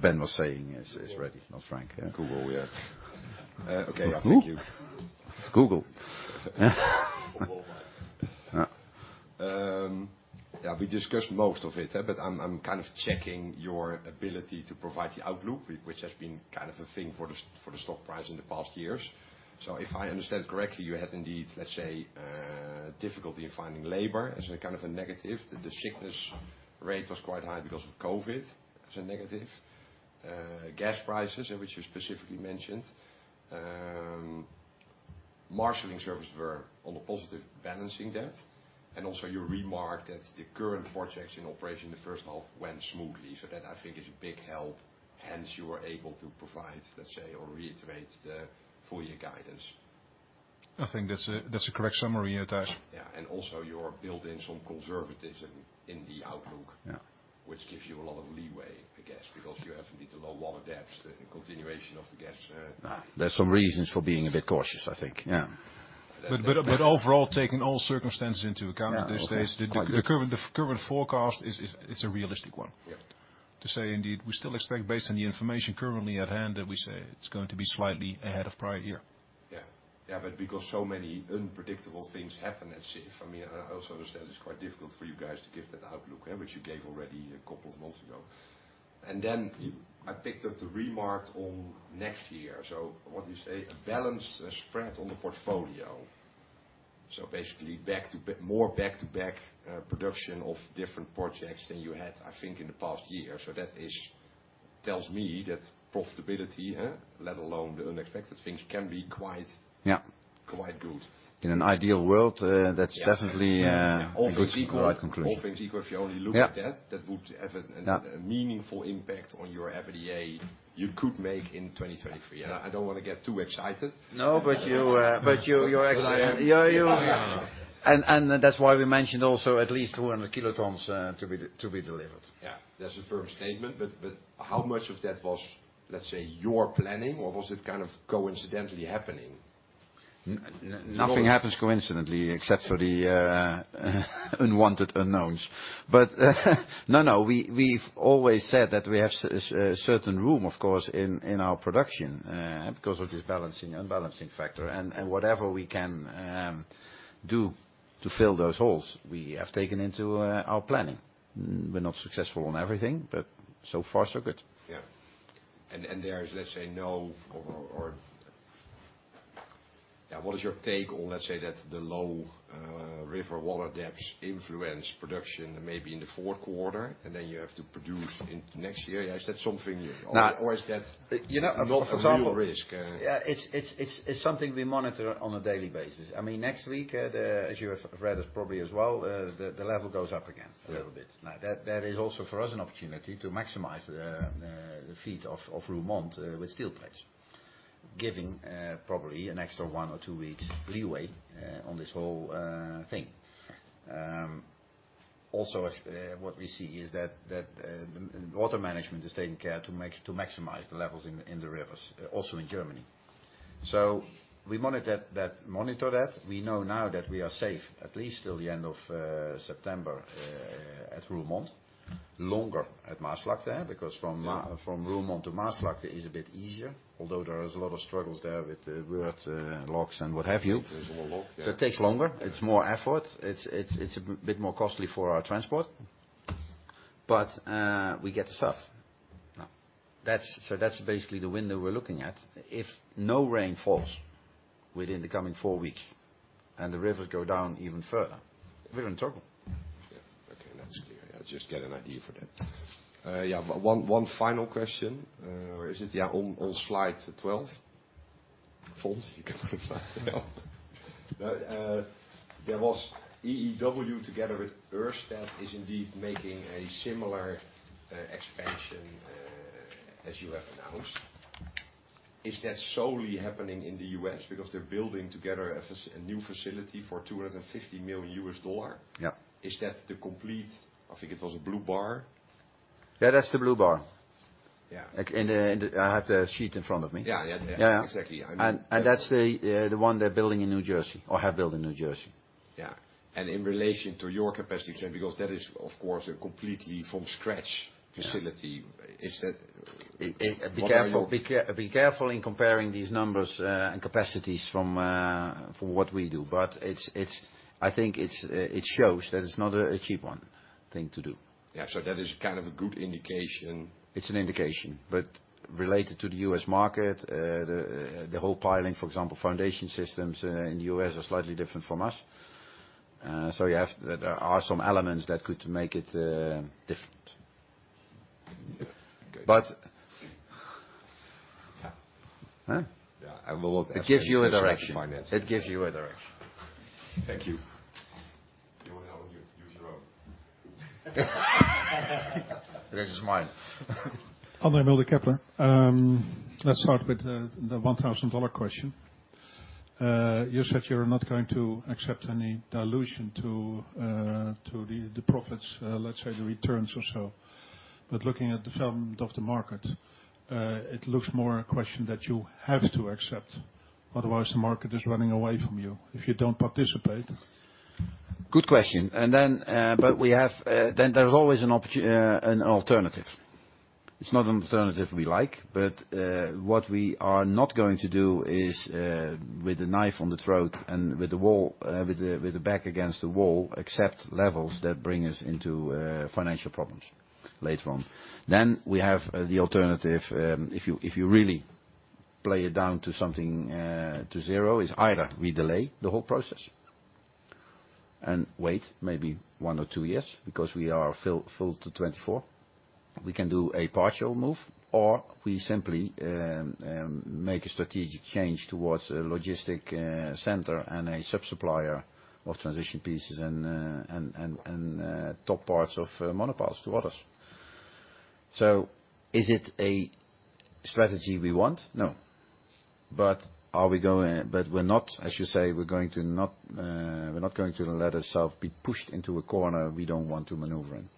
Ben was saying, is ready. Not Frank. Google, yeah. Yeah. Okay. Who? Thank you. Google. Yeah. We discussed most of it, but I'm kind of checking your ability to provide the outlook, which has been kind of a thing for the stock price in the past years. If I understand correctly, you had indeed, let's say, difficulty in finding labor as a kind of a negative. The sickness rate was quite high because of COVID, as a negative. Gas prices, which you specifically mentioned. Marshaling services were on the positive balancing that. Also you remarked that the current projects in operation in the first half went smoothly. That I think is a big help, hence you are able to provide, let's say, or reiterate the full year guidance. I think that's a correct summary, yeah, Thijs. Yeah. Also you're building some conservatism in the outlook. Yeah ...which gives you a lot of leeway, I guess, because you have indeed a lot of depth, continuation of the gas. There's some reasons for being a bit cautious, I think. Yeah. Overall, taking all circumstances into account these days. Yeah, okay. The current forecast is. It's a realistic one. Yeah. Indeed, we still expect, based on the information currently at hand, that it's going to be slightly ahead of prior year. Yeah. Yeah, because so many unpredictable things happen, that's it for me. I also understand it's quite difficult for you guys to give that outlook, yeah, which you gave already a couple of months ago. I picked up the remark on next year. What you say, a balanced spread on the portfolio. Basically back to more back-to-back production of different projects than you had, I think, in the past year. That tells me that profitability, let alone the unexpected things, can be quite- Yeah Quite good. In an ideal world, that's definitely Yeah. All things equal. Good conclusion. All things equal, if you only look at that. Yeah that would have Yeah a meaningful impact on your EBITDA you could make in 2023. I don't want to get too excited. No, but you're excited. Yeah, you. That's why we mentioned also at least 200 kilotons to be delivered. Yeah. That's a firm statement. How much of that was, let's say, your planning? Or was it kind of coincidentally happening? Nothing happens coincidentally except for the unwanted unknowns. No, we've always said that we have certain room, of course, in our production because of this balancing unbalancing factor. Whatever we can do to fill those holes, we have taken into our planning. We're not successful on everything, but so far so good. Yeah, what is your take on, let's say, that the low river water depths influence production maybe in the fourth quarter, and then you have to produce in next year? Is that something you No. Is that? You know, for example. not a real risk? It's something we monitor on a daily basis. I mean, next week, as you have read this probably as well, the level goes up again a little bit. Now that is also for us an opportunity to maximize the feed of Roermond with steel plates. Giving probably an extra one or two weeks leeway on this whole thing. Also, what we see is that water management is taking care to maximize the levels in the rivers, also in Germany. We monitor that. We know now that we are safe at least till the end of September at Roermond. Longer at Maasvlakte, because from Roermond to Maasvlakte is a bit easier, although there is a lot of struggles there with weirs, locks and what have you. There's more lock, yeah. It takes longer, it's more effort, it's a bit more costly for our transport, but we get the stuff. That's basically the window we're looking at. If no rain falls within the coming four weeks and the rivers go down even further, we're in trouble. That's clear. I just got an idea for that. One final question. Where is it? On slide 12. Fons, you can find. Well, there was EEW together with Ørsted is indeed making a similar expansion as you have announced. Is that solely happening in the U.S. because they're building together a new facility for $250 million? Yeah. Is that the complete? I think it was a blue bar. Yeah, that's the blue bar. Yeah. Like in the, I have the sheet in front of me. Yeah, yeah. Yeah, yeah. Exactly. I mean. That's the one they're building in New Jersey or have built in New Jersey. Yeah. In relation to your capacity plan, because that is, of course, a completely from scratch facility. Yeah. What I know. Be careful in comparing these numbers and capacities from what we do. I think it shows that it's not a cheap one thing to do. Yeah. That is kind of a good indication. It's an indication, but related to the U.S. market, the whole piling, for example, foundation systems in the U.S. are slightly different from us. There are some elements that could make it different. But... Yeah. Huh? Yeah. I will not ask you this one. It gives you a direction. to finance it. It gives you a direction. Thank you. Use your own. This is mine. Andre Mulder, Kepler. Let's start with the $1,000 question. You said you're not going to accept any dilution to the profits, let's say the returns or so. Looking at the ferment of the market, it looks more a question that you have to accept, otherwise the market is running away from you if you don't participate. Good question. There is always an alternative. It's not an alternative we like, but what we are not going to do is, with a knife on the throat and with the back against the wall, accept levels that bring us into financial problems later on. We have the alternative, if you really play it down to something to zero, is either we delay the whole process and wait maybe one or two years because we are filled to 2024. We can do a partial move or we simply make a strategic change towards a logistics center and a sub-supplier of transition pieces and top parts of monopiles to others. Is it a strategy we want? No. We're not, as you say, going to let ourselves be pushed into a corner we don't want to maneuver in.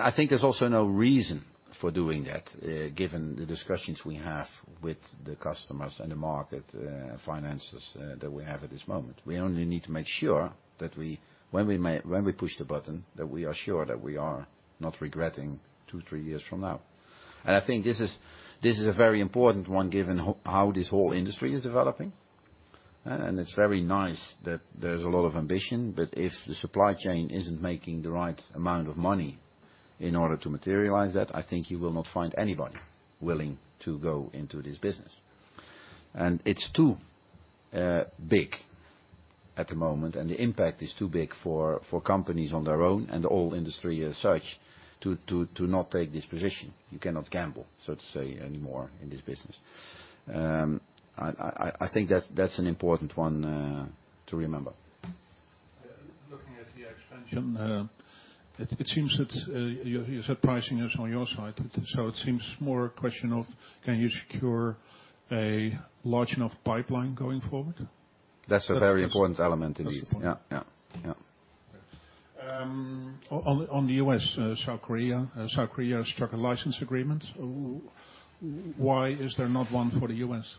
I think there's also no reason for doing that, given the discussions we have with the customers and the market financials that we have at this moment. We only need to make sure that when we push the button, we are sure that we are not regretting two, three years from now. I think this is a very important one given how this whole industry is developing. It's very nice that there's a lot of ambition, but if the supply chain isn't making the right amount of money in order to materialize that, I think you will not find anybody willing to go into this business. It's too big at the moment, and the impact is too big for companies on their own and the oil industry as such to not take this position. You cannot gamble, so to say, anymore in this business. I think that's an important one to remember. Yeah. Looking at the expansion, it seems that you said pricing is on your side. It seems more a question of can you secure a large enough pipeline going forward? That's a very important element, indeed. Yeah. Yeah. Yeah. On the U.S., South Korea. South Korea struck a license agreement. Why is there not one for the U.S.?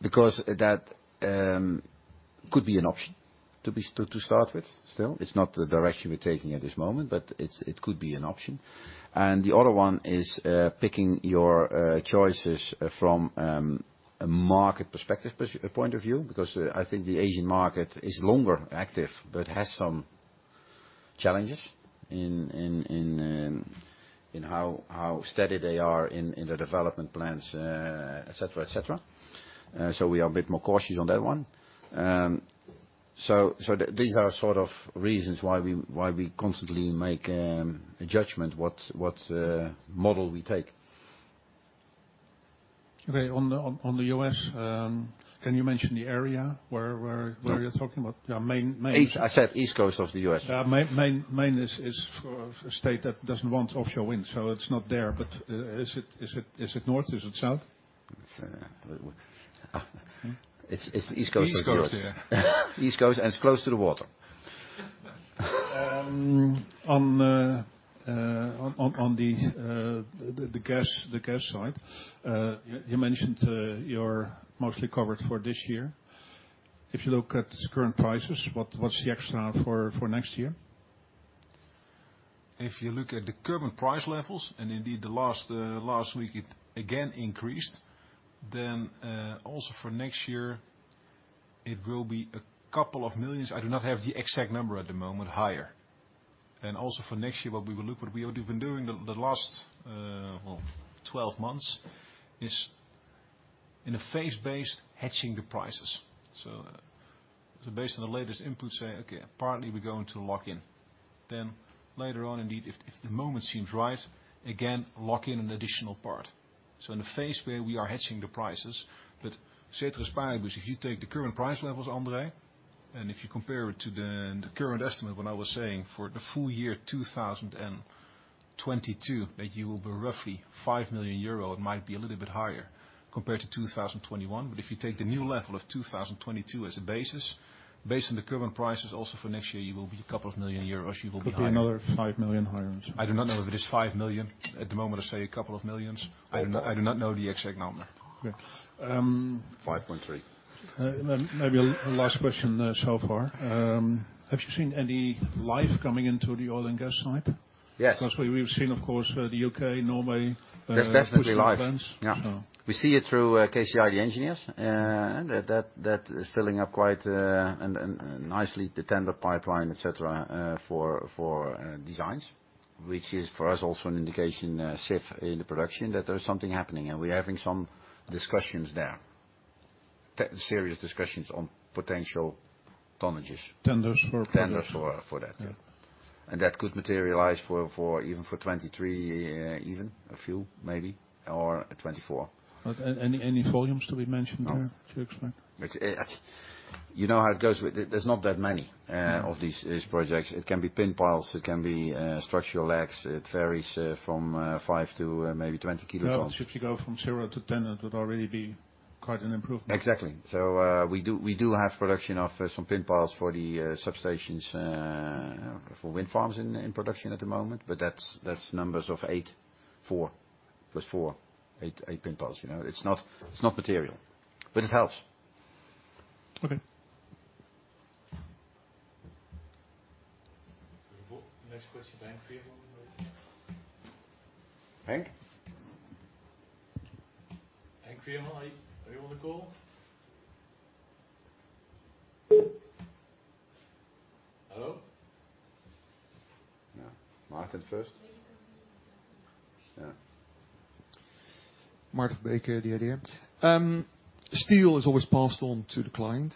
Because that could be an option to start with still. It's not the direction we're taking at this moment, but it could be an option. The other one is picking your choices from a market perspective point of view, because I think the Asian market is longer active but has some challenges in how steady they are in their development plans, et cetera. These are sort of reasons why we constantly make a judgment what model we take. Okay. On the U.S., can you mention the area where you're talking about? Yeah. Maine. East. I said East Coast of the U.S.. Yeah. Maine is a state that doesn't want offshore wind, so it's not there. Is it north? Is it south? It's. It's the East Coast of the U.S. East Coast. Yeah. East Coast, and it's close to the water. On the gas side, you mentioned you're mostly covered for this year. If you look at current prices, what's the extra for next year? If you look at the current price levels, and indeed the last week it again increased, then also for next year it will be a couple of million. I do not have the exact number at the moment. Higher. Also for next year, what we have been doing the last, well, 12 months is in a phase-based hedging the prices. So based on the latest input, say, okay, partly we're going to lock in. Then later on, indeed, if the moment seems right, again, lock in an additional part. So in a phase where we are hedging the prices. Ceteris paribus, if you take the current price levels, Andre, and if you compare it to the current estimate, what I was saying for the full year 2022, that you will be roughly 5 million euro. It might be a little bit higher compared to 2021. If you take the new level of 2022 as a basis, based on the current prices also for next year, you will be a couple of million EUR, you will be behind. Could be another 5 million higher or something. I do not know if it is 5 million. At the moment I say a couple of millions. I do not know the exact number. Okay. 5.3. Maybe a last question so far. Have you seen any life coming into the oil and gas side? Yes. Because we've seen, of course, the U.K., Norway pushing events so. There's definitely life. Yeah. We see it through KCI the Engineers. That is filling up quite and nicely the tender pipeline, et cetera, for designs, which is for us also an indication, say, in the production, that there is something happening. We're having some discussions there, serious discussions on potential tonnages. Tenders for production. Tenders for that. Yeah. That could materialize for even 2023, even a few maybe, or 2024. Any volumes to be mentioned there? No. to expect? It's you know how it goes with it. There's not that many of these projects. It can be pin piles. It can be structural legs. It varies from 5 to maybe 20 kilotons. Well, if you go from 0-10, it would already be quite an improvement. Exactly. We do have production of some pin piles for the substations for wind farms in production at the moment, but that's numbers of eight, 4 + 4. Eight pin piles, you know? It's not material, but it helps. Okay. Next question, Frank Kevenaar. Frank? Frank Kevenaar, are you on the call? Hello? No. Martijn first. Yeah. Steel is always passed on to the client.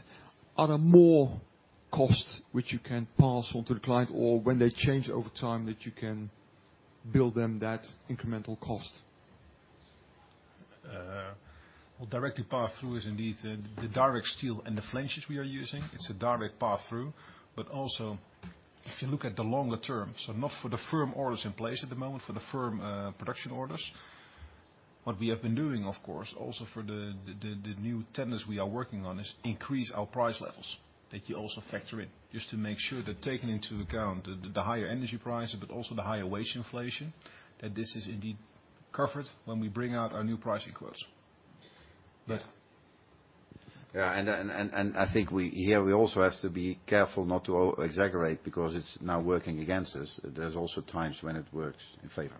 Are there more costs which you can pass on to the client, or when they change over time, that you can bill them that incremental cost? Well, directly pass-through is indeed the direct steel and the flanges we are using. It's a direct pass-through. Also if you look at the longer term, so not for the firm orders in place at the moment, for the firm production orders. What we have been doing, of course, also for the new tenders we are working on, is increase our price levels that you also factor in, just to make sure that taking into account the higher energy price, but also the higher wage inflation, that this is indeed covered when we bring out our new pricing quotes. Yeah. I think we here also have to be careful not to exaggerate because it's now working against us. There's also times when it works in favor.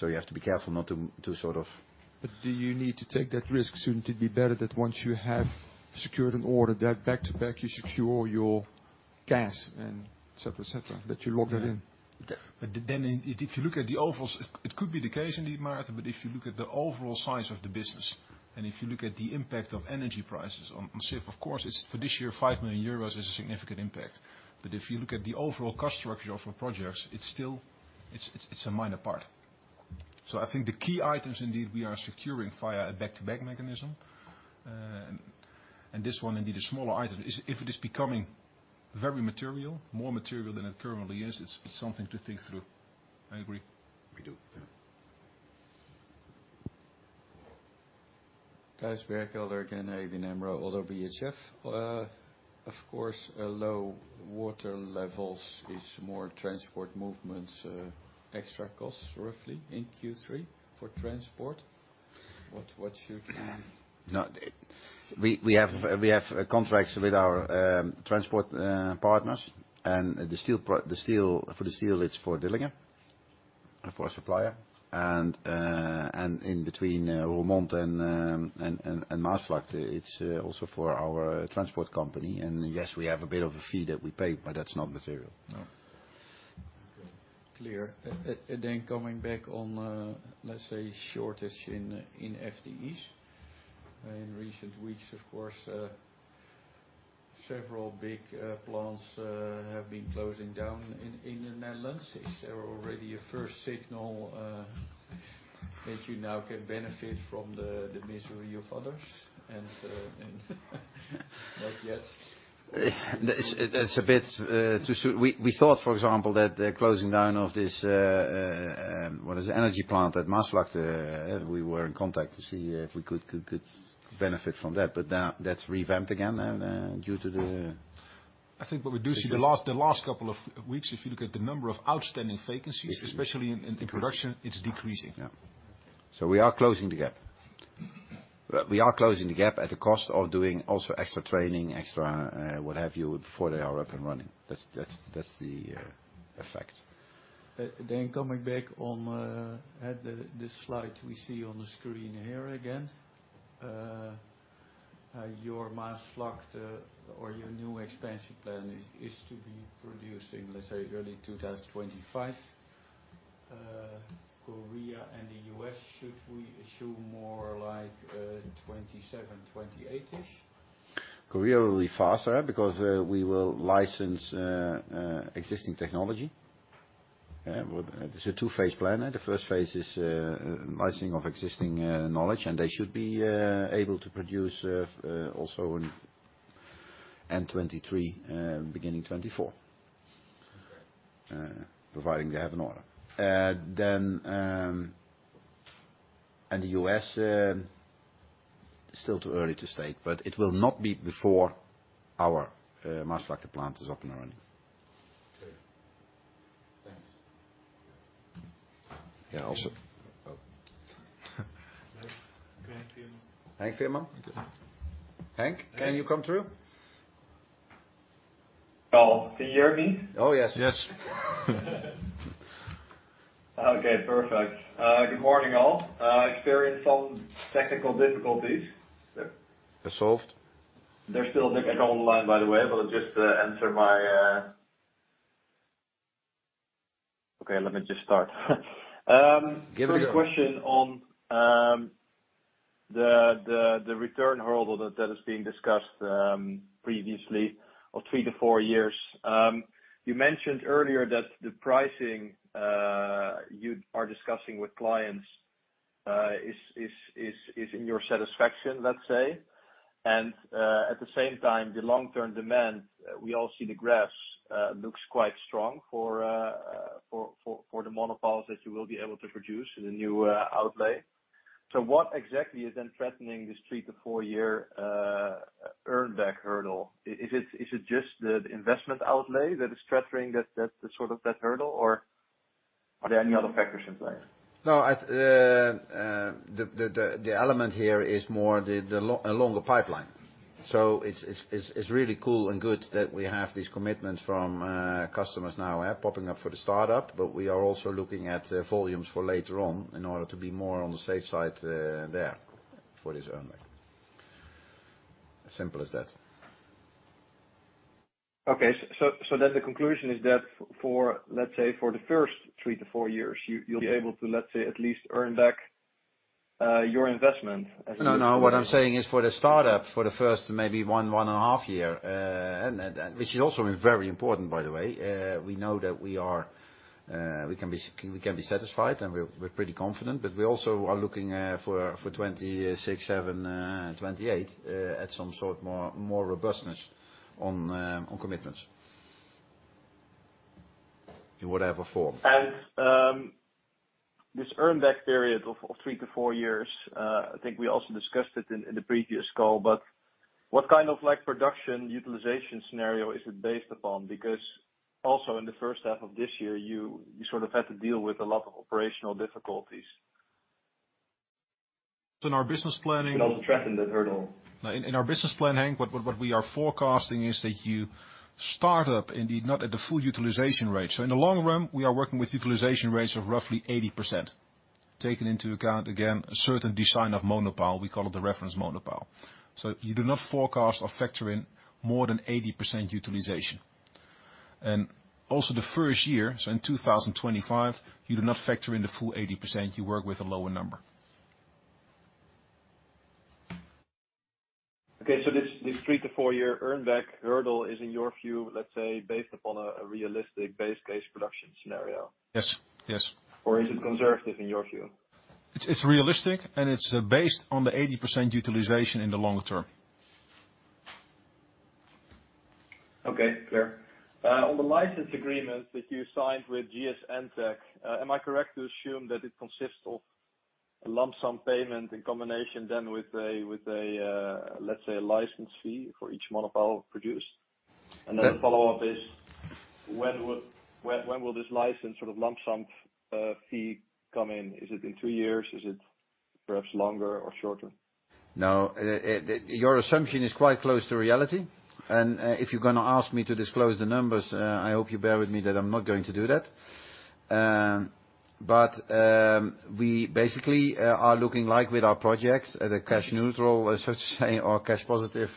You have to be careful not to sort of. Do you need to take that risk, shouldn't it be better that once you have secured an order that back to back you secure your Gas and et cetera, et cetera, that you lock that in. If you look at the overall, it could be the case indeed, Maarten, but if you look at the overall size of the business, and if you look at the impact of energy prices on Sif, of course, it's for this year, 5 million euros is a significant impact. If you look at the overall cost structure of a project, it's still it's a minor part. I think the key items indeed we are securing via a back-to-back mechanism. And this one indeed a smaller item. If it is becoming very material, more material than it currently is, it's something to think through. I agree. We do. Yeah. Thijs Berkelder again, ABN AMRO ODDO BHF. Of course, low water levels is more transport movements, extra costs roughly in Q3 for transport. What should No, we have contracts with our transport partners and the steel for the steel. It's for Dillinger, for a supplier. In between Roermond and Maasvlakte, it's also for our transport company. Yes, we have a bit of a fee that we pay, but that's not material. No. Clear. Then coming back on, let's say, shortage in FTEs. In recent weeks, of course, several big plants have been closing down in the Netherlands. Is there already a first signal that you now can benefit from the misery of others? Not yet. It's a bit. We thought, for example, that the closing down of this, what is it, energy plant at Maasvlakte. We were in contact to see if we could benefit from that. Now that's revamped again, and due to the. I think what we do see the last couple of weeks, if you look at the number of outstanding vacancies, especially in production, it's decreasing. Yeah. We are closing the gap. We are closing the gap at the cost of doing also extra training, extra, what have you, before they are up and running. That's the effect. Coming back on this slide we see on the screen here again, your Maasvlakte or your new expansion plan is to be produced in, let's say, early 2025. Korea and the U.S., should we assume more like 2027, 2028-ish? Korea will be faster because we will license existing technology. Well, it's a two-phase plan. The first phase is licensing of existing knowledge, and they should be able to produce also in end 2023, beginning 2024. Okay. Providing they have an order. The U.S., still too early to state, but it will not be before our Maasvlakte plant is up and running. Okay. Thanks. Yeah. Oh. Frank Kevenaar? Yes. Frank, can you come through? Well, can you hear me? Oh, yes. Yes. Okay, perfect. Good morning, all. I experienced some technical difficulties. They're solved. Nick, I go online, by the way. Okay, let me just start. Give it your all. First question on the return hurdle that is being discussed previously of 3-4 years. You mentioned earlier that the pricing you are discussing with clients is in your satisfaction, let's say. At the same time, the long-term demand, we all see the graphs, looks quite strong for the monopiles that you will be able to produce in the new outlay. What exactly is then threatening this 3-4 year earn back hurdle? Is it just the investment outlay that is threatening that sort of hurdle, or are there any other factors in play? No, the element here is more the longer pipeline. It's really cool and good that we have these commitments from customers now popping up for the startup, but we are also looking at volumes for later on in order to be more on the safe side there for this earn back. As simple as that. The conclusion is that for, let's say, the first 3-4 years, you'll be able to, let's say, at least earn back your investment as you- No, no. What I'm saying is for the startup, for the first maybe one and a half year, and which is also very important, by the way. We know that we can be satisfied, and we're pretty confident, but we also are looking for 2026, 2027, and 2028 at some sort more robustness on commitments. In whatever form. This payback period of 3-4 years, I think we also discussed it in the previous call, but what kind of like production utilization scenario is it based upon? Because also in the first half of this year, you sort of had to deal with a lot of operational difficulties. In our business planning. To also track in that hurdle. In our business planning, Henk, what we are forecasting is that you start up indeed not at the full utilization rate. In the long run, we are working with utilization rates of roughly 80%. Taking into account, again, a certain design of monopile, we call it the reference monopile. You do not forecast or factor in more than 80% utilization. Also the first year, in 2025, you do not factor in the full 80%, you work with a lower number. Okay. This 3-4 year earn back hurdle is in your view, let's say, based upon a realistic base case production scenario? Yes. Yes. Is it conservative in your view? It's realistic, and it's based on the 80% utilization in the longer term. Okay, clear. On the license agreement that you signed with GS EnTec, am I correct to assume that it consists of a lump sum payment in combination then with a, let's say, a license fee for each monopile produced? Yes. The follow-up is when will this license sort of lump sum fee come in? Is it in two years? Is it perhaps longer or shorter? No. Your assumption is quite close to reality, and if you're gonna ask me to disclose the numbers, I hope you bear with me that I'm not going to do that. We basically are looking like with our projects at a cash neutral, as such, or cash positive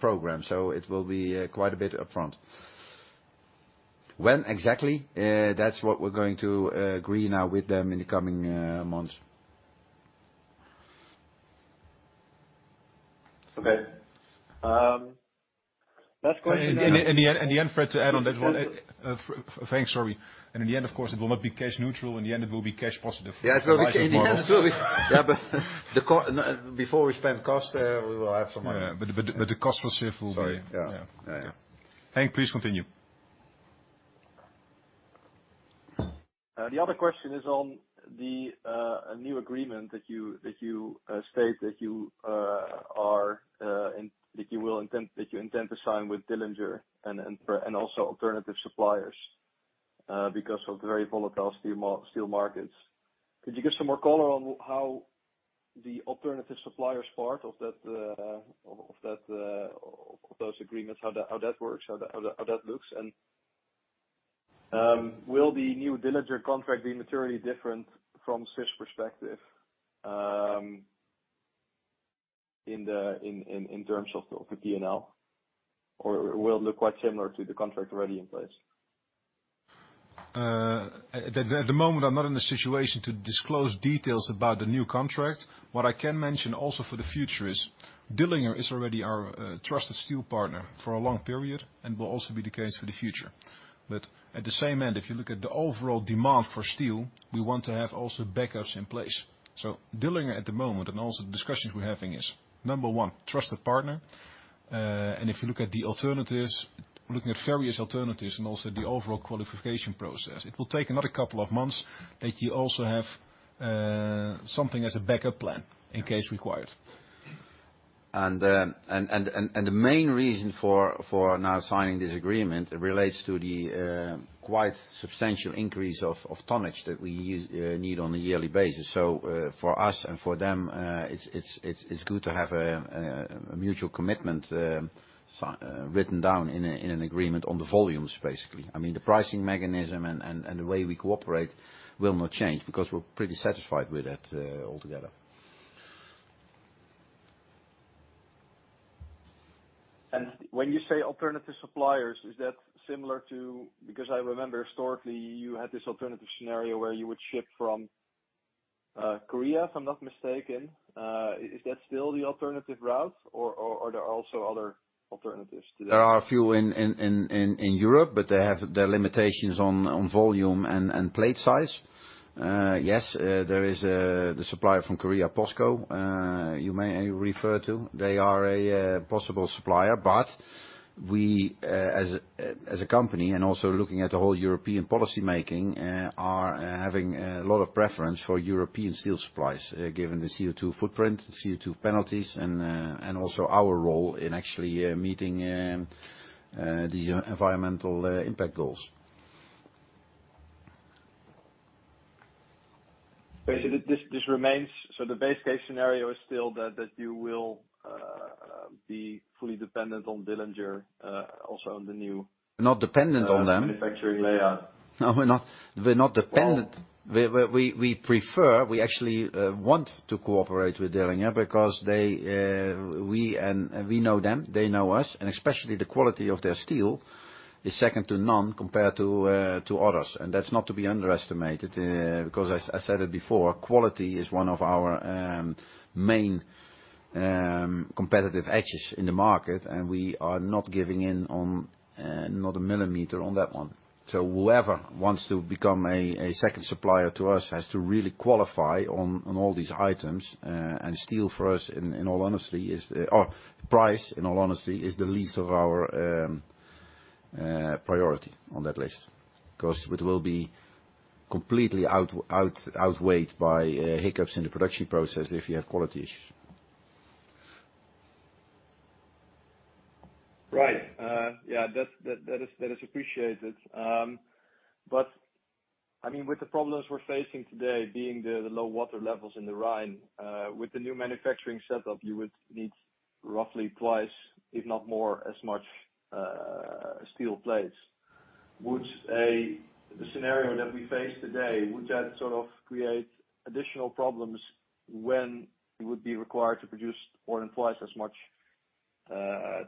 program. It will be quite a bit upfront. When exactly, that's what we're going to agree now with them in the coming months. Okay. Last question In the end, Fred, to add on that one. Frank, sorry. In the end, of course, it will not be cash neutral. In the end it will be cash positive and more. Yes, it will be. In the end it will be. Yeah, but before we spend cash, we will have some money. Yeah. The cost per shift will be- Sorry. Yeah. Yeah. Yeah, yeah. Frank, please continue. The other question is on a new agreement that you state that you are that you intend to sign with Dillinger and also alternative suppliers because of the very volatile steel markets. Could you give some more color on how the alternative suppliers part of that of those agreements, how that works, how that looks? Will the new Dillinger contract be materially different from Sif's perspective in terms of the P&L, or will it look quite similar to the contract already in place? At the moment, I'm not in a situation to disclose details about the new contract. What I can mention also for the future is Dillinger is already our trusted steel partner for a long period and will also be the case for the future. At the same time, if you look at the overall demand for steel, we want to have also backups in place. Dillinger at the moment, and also the discussions we're having is number one, trusted partner. If you look at the alternatives, looking at various alternatives and also the overall qualification process, it will take another couple of months that you also have something as a backup plan in case required. The main reason for now signing this agreement relates to the quite substantial increase of tonnage that we need on a yearly basis. For us and for them, it's good to have a mutual commitment written down in an agreement on the volumes, basically. I mean, the pricing mechanism and the way we cooperate will not change because we're pretty satisfied with it, altogether. When you say alternative suppliers, is that similar to, because I remember historically you had this alternative scenario where you would ship from Korea, if I'm not mistaken. Is that still the alternative route or are there also other alternatives today? There are a few in Europe, but they have their limitations on volume and plate size. Yes, there is the supplier from Korea, POSCO, you may refer to. They are a possible supplier, but we, as a company and also looking at the whole European policymaking, are having a lot of preference for European steel suppliers, given the CO2 footprint, CO2 penalties, and also our role in actually meeting the environmental impact goals. This remains. The base case scenario is still that you will be fully dependent on Dillinger, also in the new- We're not dependent on them. manufacturing layout. No, we're not dependent. Well- We actually want to cooperate with Dillinger because we know them, they know us, and especially the quality of their steel is second to none compared to others. That's not to be underestimated, because as I said it before, quality is one of our main competitive edges in the market, and we are not giving in on not a millimeter on that one. Whoever wants to become a second supplier to us has to really qualify on all these items. Steel for us, in all honesty, is, or price, in all honesty, is the least of our priority on that list. Because it will be completely outweighed by hiccups in the production process if you have quality issues. Right. That's appreciated. I mean, with the problems we're facing today, being the low water levels in the Rhine, with the new manufacturing setup, you would need roughly twice, if not more, as much steel plates. The scenario that we face today, would that sort of create additional problems when you would be required to produce more than twice as much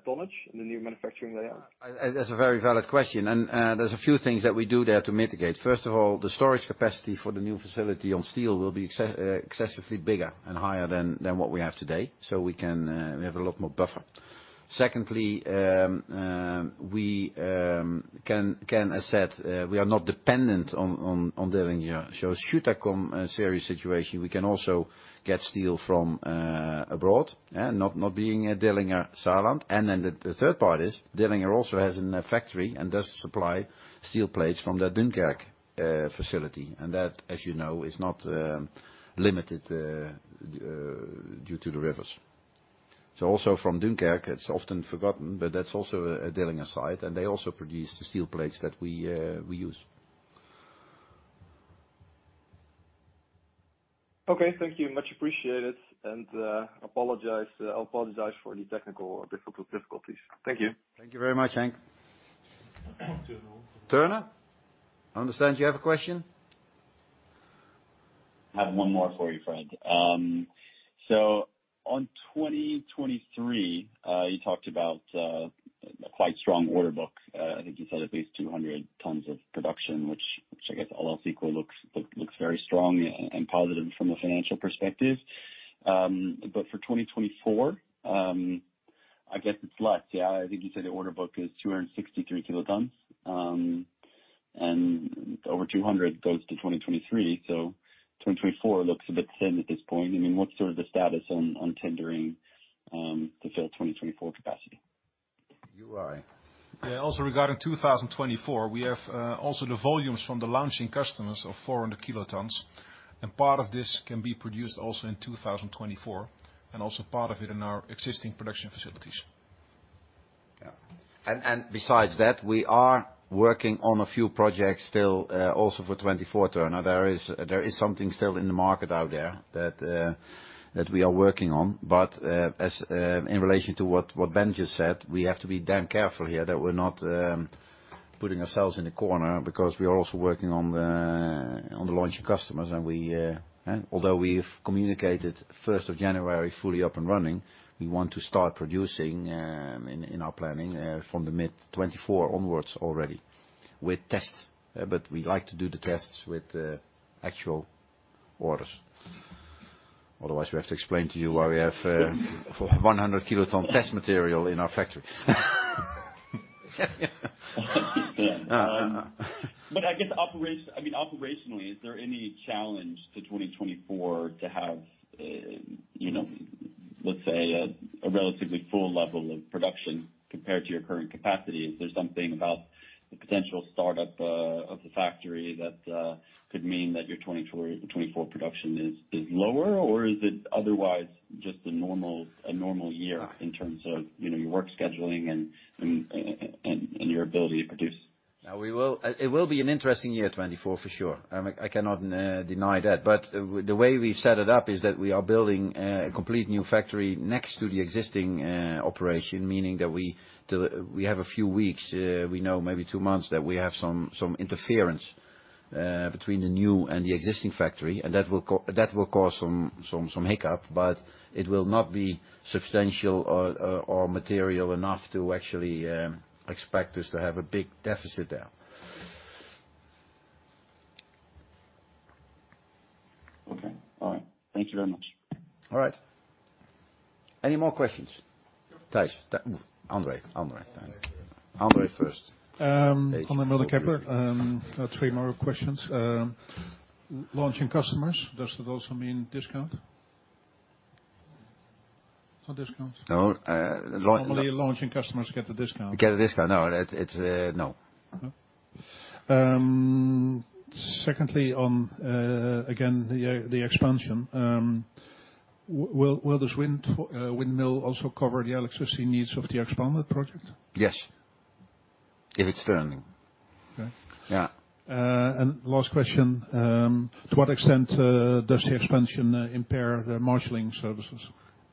tonnage in the new manufacturing layout? That's a very valid question. There's a few things that we do there to mitigate. First of all, the storage capacity for the new facility on steel will be excessively bigger and higher than what we have today. We have a lot more buffer. Secondly, we are not dependent on Dillinger here. Should there come a serious situation, we can also get steel from abroad, yeah? Not being a Dillinger Saarland. The third part is Dillinger also has a factory and does supply steel plates from their Dunkirk facility. That, as you know, is not limited due to the rivers. Also from Dunkirk, it's often forgotten, but that's also a Dillinger site, and they also produce the steel plates that we use. Okay, thank you. Much appreciated. Apologize for the technical difficulties. Thank you. Thank you very much, Frank. Turner. Turner, I understand you have a question. I have one more for you, Fred. On 2023, you talked about a quite strong order book. I think you said at least 200 tons of production, which I guess all else equal looks very strong and positive from a financial perspective. But for 2024, I guess it's less. Yeah, I think you said the order book is 263 kilotons, and over 200 goes to 2023. 2024 looks a bit thin at this point. I mean, what's sort of the status on tendering to fill 2024 capacity? You are. Yeah. Also regarding 2024, we have also the volumes from the launching customers of 400 kilotons. Part of this can be produced also in 2024, and also part of it in our existing production facilities. Yeah. Besides that, we are working on a few projects still, also for 2024, Turner. There is something still in the market out there that we are working on. As in relation to what Ben just said, we have to be damn careful here that we're not putting ourselves in a corner because we are also working on the launching customers and we. Although we've communicated first of January, fully up and running, we want to start producing in our planning from mid-2024 onwards already with tests. We like to do the tests with actual orders. Otherwise, we have to explain to you why we have 100 kilotons test material in our factory. I guess operationally, is there any challenge to 2024 to have, you know, let's say a relatively full level of production compared to your current capacity? Is there something about the potential startup of the factory that could mean that your 2024 production is lower? Or is it otherwise just a normal year in terms of, you know, your work scheduling and your ability to produce? It will be an interesting year, 2024 for sure. I cannot deny that. The way we set it up is that we are building a complete new factory next to the existing operation. Meaning that we have a few weeks, we know maybe two months, that we have some interference between the new and the existing factory, and that will cause some hiccup. It will not be substantial or material enough to actually expect us to have a big deficit there. Okay, all right. Thank you very much. All right. Any more questions? Thijs? Andre first. Andre Mulder, Kepler. Three more questions. Launching customers, does that also mean discount? No discount? No. Normally, launching customers get a discount. Get a discount. No, it's. No. No? Secondly on again the expansion. Will this windmill also cover the electricity needs of the expanded project? Yes. If it's running. Okay. Yeah. Last question. To what extent does the expansion impair the marshaling services?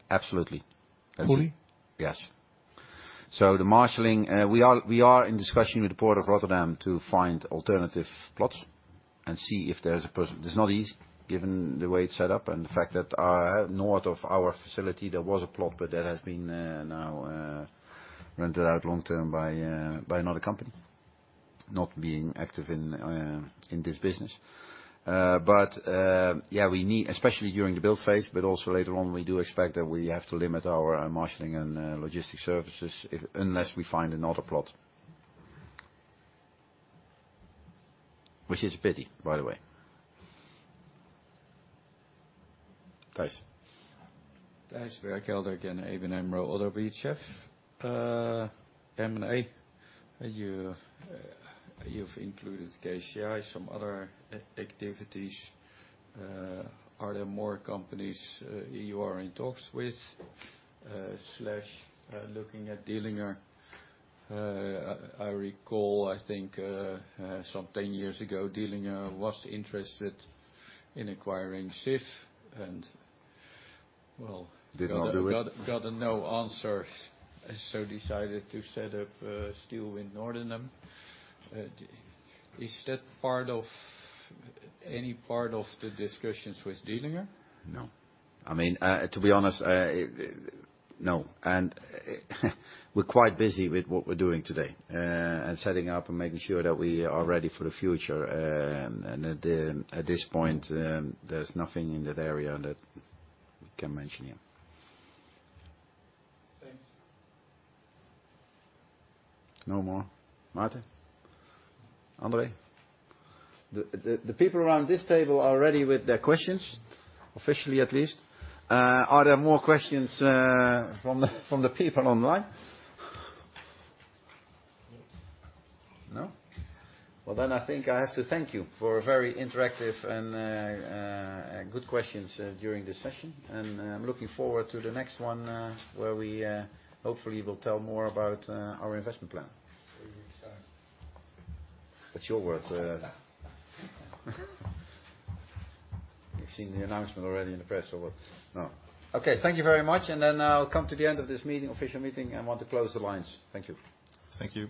Absolutely. Fully? Yes. The marshaling, we are in discussion with the Port of Rotterdam to find alternative plots and see if there's. It's not easy, given the way it's set up and the fact that north of our facility there was a plot, but that has been now rented out long-term by another company, not being active in this business. Yeah, we need, especially during the build phase, but also later on, we do expect that we have to limit our marshaling and logistics services unless we find another plot. Which is a pity, by the way. Thijs. Thijs Berkelder again, ABN AMRO ODDO BHF. M&A, you've included KCI, some other activities. Are there more companies you are in talks with slash looking at Dillinger? I recall, I think, some 10 years ago, Dillinger was interested in acquiring Sif and well. Didn't all do it. Gotten no answer and so decided to set up Steelwind Nordenham. Is that part of any part of the discussions with Dillinger? No. I mean, to be honest, no. We're quite busy with what we're doing today, and setting up and making sure that we are ready for the future. At this point, there's nothing in that area that we can mention yet. No more. Martijn? Andre? The people around this table are ready with their questions, officially at least. Are there more questions from the people online? No? Well, then I think I have to thank you for a very interactive and good questions during this session. I'm looking forward to the next one, where we hopefully will tell more about our investment plan. We'll be excited. That's your words. We've seen the announcement already in the press or what? No. Okay, thank you very much. I'll come to the end of this meeting, official meeting, and want to close the lines. Thank you. Thank you.